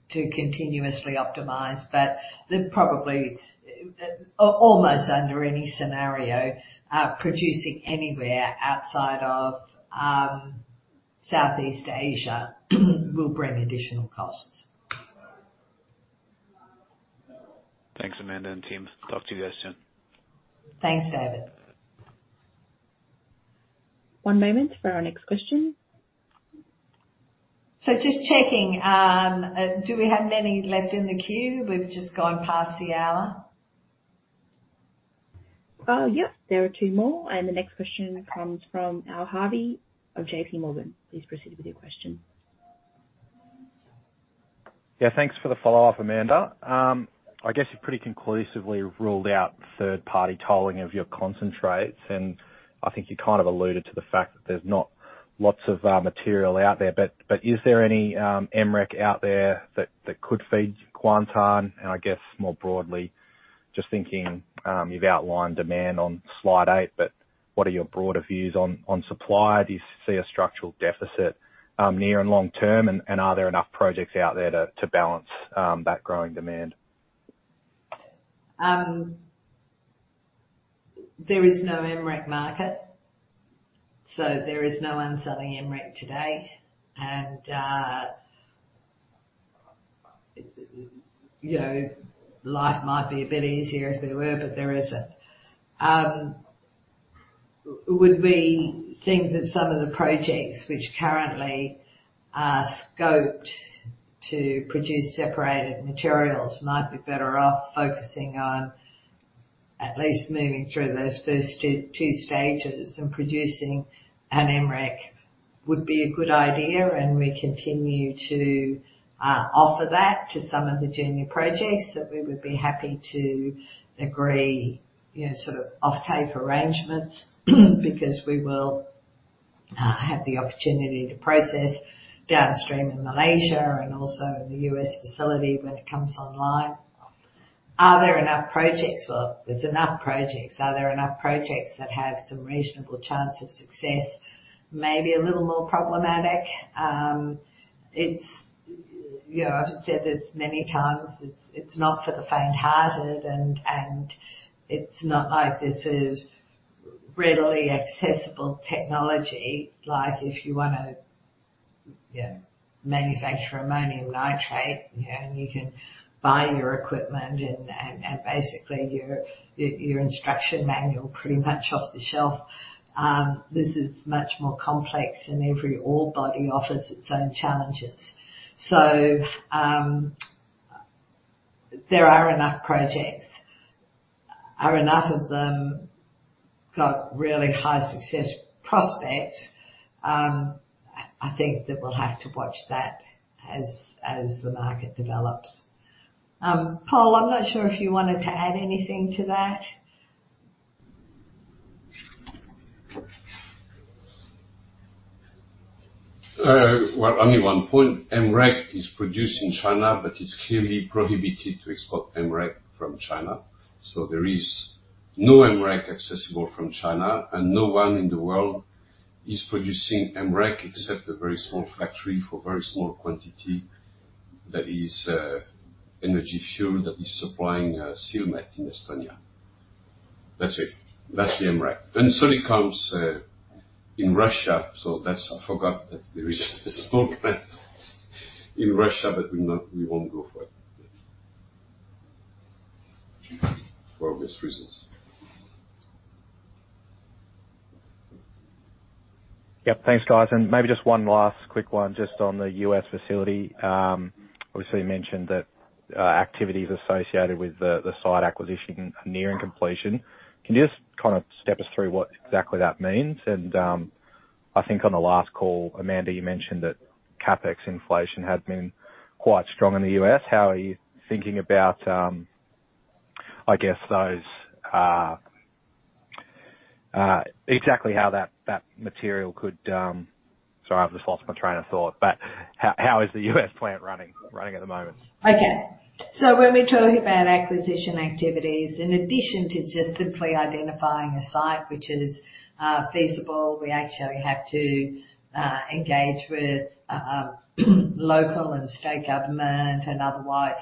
continuously optimize. The probably, almost under any scenario, producing anywhere outside of Southeast Asia will bring additional costs. Thanks, Amanda and team. Talk to you guys soon. Thanks, David. One moment for our next question. Just checking, do we have many left in the queue? We've just gone past the hour. Yep. There are two more. The next question comes from Al Harvey of JPMorgan. Please proceed with your question. Yeah. Thanks for the follow-up, Amanda. I guess you pretty conclusively ruled out third-party tolling of your concentrates. I think you kind of alluded to the fact that there's not lots of material out there. Is there any MREC out there that could feed Kuantan? I guess more broadly, just thinking, you've outlined demand on slide eight, but what are your broader views on supply? Do you see a structural deficit near and long term? Are there enough projects out there to balance that growing demand? There is no MREC market. There is no one selling MREC today. You know, life might be a bit easier if there were, but there isn't. Would we think that some of the projects which currently are scoped to produce separated materials might be better off focusing on at least moving through those first two stages and producing an MREC would be a good idea. We continue to offer that to some of the junior projects that we would be happy to agree, you know, sort of offtake arrangements because we will have the opportunity to process downstream in Malaysia and also the U.S. facility when it comes online. Are there enough projects? Well, there's enough projects. Are there enough projects that have some reasonable chance of success? Maybe a little more problematic. It's, you know, I've said this many times. It's not for the faint-hearted and it's not like this is readily accessible technology. Like, if you want to, you know, manufacture ammonium nitrate, you know, and you can buy your equipment and basically your instruction manual pretty much off the shelf. This is much more complex, and every ore body offers its own challenges. There are enough projects. Are enough of them got really high success prospects? I think that we'll have to watch that as the market develops. Pol, I'm not sure if you wanted to add anything to that. Well, only one point. MREC is produced in China, but it's clearly prohibited to export MREC from China. There is no MREC accessible from China, and no one in the world is producing MREC except a very small factory for very small quantity. That is Energy Fuels that is supplying Silmet in Estonia. That's it. That's the MREC. And so comes in Russia. I forgot that there is a small plant in Russia. We won't go for it. For obvious reasons. Yep. Thanks, guys. Maybe just one last quick one just on the U.S. facility. Obviously, you mentioned that activities associated with the site acquisition are nearing completion. Can you just kinda step us through what exactly that means? I think on the last call, Amanda, you mentioned that CapEx inflation had been quite strong in the U.S. How are you thinking about, I guess, those exactly how that material could... Sorry, I've just lost my train of thought. How is the U.S. plant running at the moment? When we're talking about acquisition activities, in addition to just simply identifying a site which is feasible, we actually have to engage with local and state government and otherwise.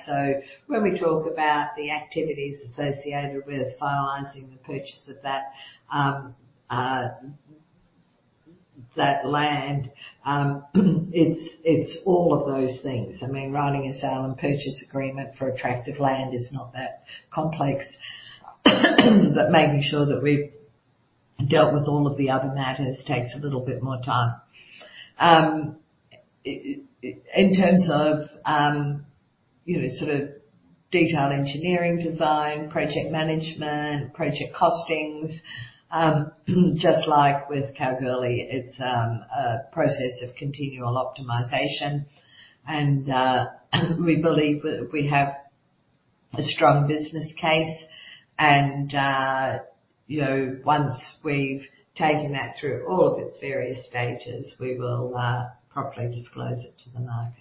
When we talk about the activities associated with finalizing the purchase of that land, it's all of those things. I mean, writing a sale and purchase agreement for attractive land is not that complex. Making sure that we've dealt with all of the other matters takes a little bit more time. In terms of, you know, sort of detailed engineering design, project management, project costings, just like with Kalgoorlie, it's a process of continual optimization. We believe that we have a strong business case and, you know, once we've taken that through all of its various stages, we will properly disclose it to the market.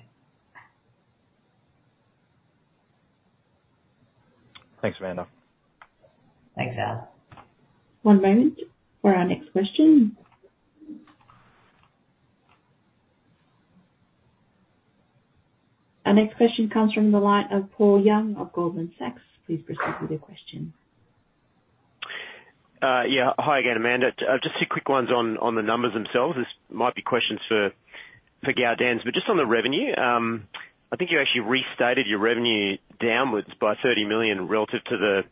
Thanks, Amanda. Thanks, Al. One moment for our next question. Our next question comes from the line of Paul Young of Goldman Sachs. Please proceed with your question. Yeah. Hi again, Amanda. Just two quick ones on the numbers themselves. This might be questions for Gaudenz, but just on the revenue, I think you actually restated your revenue downwards by $30 million relative to the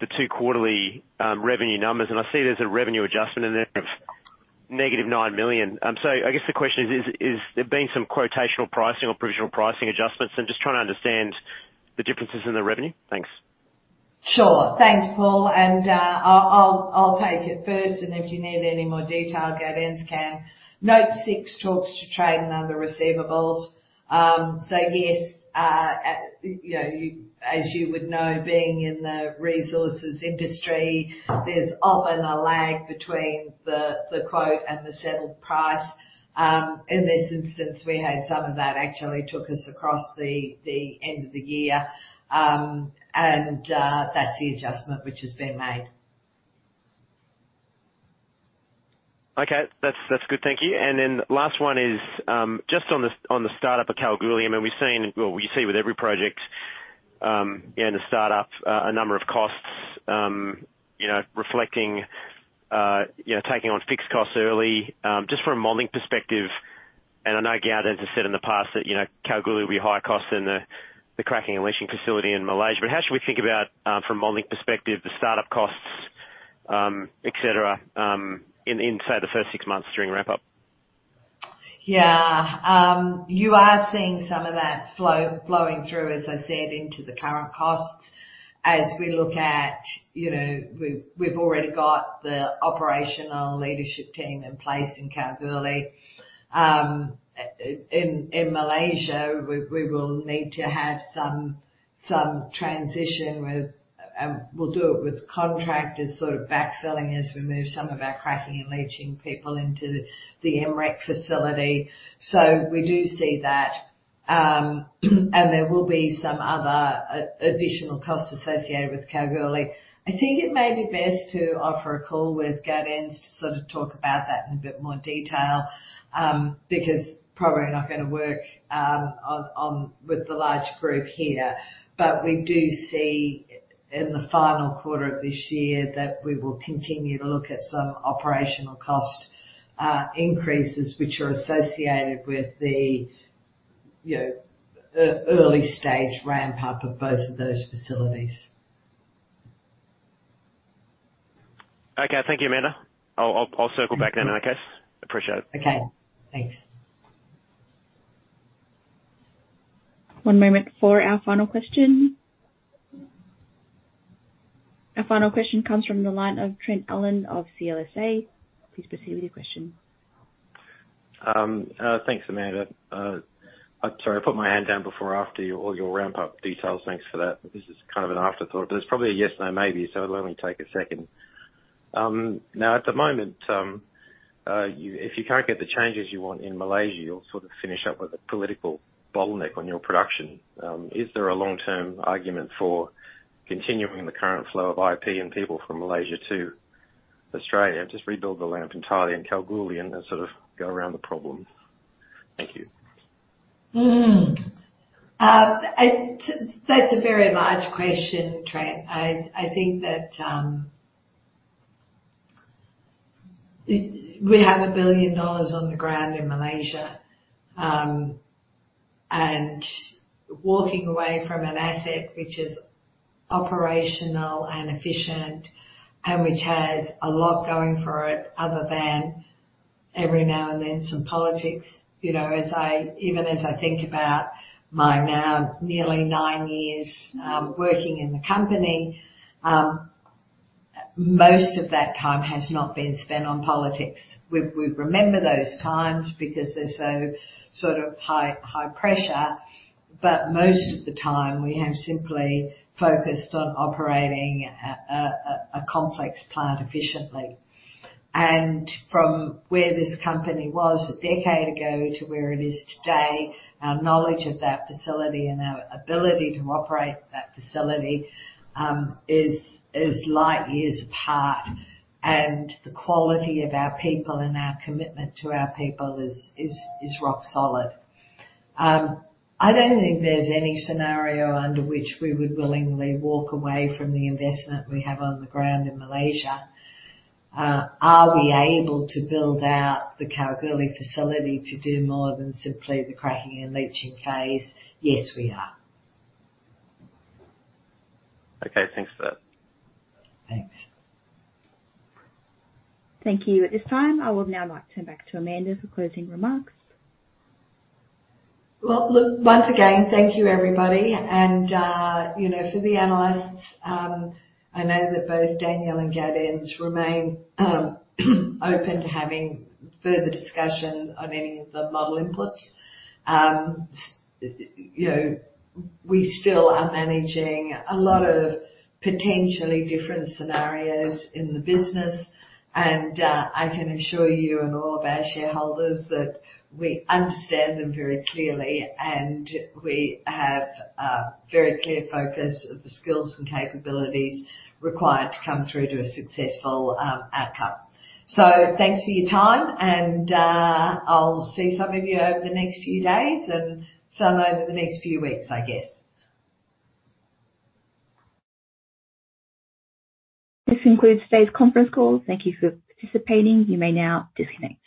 two quarterly revenue numbers. I see there's a revenue adjustment in there of -$9 million. So I guess the question is there been some quotational pricing or provisional pricing adjustments? I'm just trying to understand the differences in the revenue. Thanks. Sure. Thanks, Paul, and I'll take it first, and if you need any more detail, Gaudenz can. Note 6 talks to trade and other receivables. Yes, at, you know, you, as you would know, being in the resources industry, there's often a lag between the quote and the settled price. In this instance, we had some of that actually took us across the end of the year. That's the adjustment which has been made. Okay. That's, that's good. Thank you. Last one is, just on the startup of Kalgoorlie. I mean, we see with every project, in the startup, a number of costs, you know, reflecting, you know, taking on fixed costs early, just from a modeling perspective. I know Gaudenz has said in the past that, you know, Kalgoorlie will be higher cost than the cracking and leaching facility in Malaysia. How should we think about, from a modeling perspective, the start-up costs, et cetera, in, say, the first six months during ramp-up? You are seeing some of that flowing through, as I said, into the current costs. As we look at, you know, we've already got the operational leadership team in place in Kalgoorlie. In Malaysia, we will need to have some transition with, we'll do it with contractors sort of backfilling as we move some of our cracking and leaching people into the MREC facility. We do see that, and there will be some other additional costs associated with Kalgoorlie. I think it may be best to offer a call with Gaudenz to sort of talk about that in a bit more detail, because probably not going to work on with the large group here. We do see in the final quarter of this year that we will continue to look at some operational cost increases which are associated with the, you know, early stage ramp up of both of those facilities. Okay. Thank you, Amanda. I'll circle back then in that case. Appreciate it. Okay. Thanks. One moment for our final question. Our final question comes from the line of Trent Allen of CLSA. Please proceed with your question. Thanks, Amanda. I'm sorry, I put my hand down before after your all your ramp up details. Thanks for that. This is kind of an afterthought. There's probably a yes, no, maybe, so it'll only take a second. Now at the moment, you, if you can't get the changes you want in Malaysia, you'll sort of finish up with a political bottleneck on your production. Is there a long-term argument for continuing the current flow of IP and people from Malaysia to Australia? Just rebuild the LAMP entirely in Kalgoorlie and then sort of go around the problem. Thank you. That's a very large question, Trent. I think that we have $1 billion on the ground in Malaysia, and walking away from an asset which is operational and efficient and which has a lot going for it other than every now and then some politics. You know, even as I think about my now nearly 9 years working in the company, most of that time has not been spent on politics. We remember those times because they're so sort of high, high pressure. Most of the time we have simply focused on operating a complex plant efficiently. From where this company was a decade ago to where it is today, our knowledge of that facility and our ability to operate that facility is light years apart. The quality of our people and our commitment to our people is rock solid. I don't think there's any scenario under which we would willingly walk away from the investment we have on the ground in Malaysia. Are we able to build out the Kalgoorlie facility to do more than simply the cracking and leaching case? Yes, we are. Thanks for that. Thanks. Thank you. At this time, I would now like to turn back to Amanda for closing remarks. Well, look, once again, thank you everybody. You know, for the analysts, I know that both Daniel and Gaudenz remain open to having further discussions on any of the model inputs. You know, we still are managing a lot of potentially different scenarios in the business. I can assure you and all of our shareholders that we understand them very clearly, and we have a very clear focus of the skills and capabilities required to come through to a successful outcome. Thanks for your time, and I'll see some of you over the next few days and some over the next few weeks, I guess. This concludes today's conference call. Thank you for participating. You may now disconnect.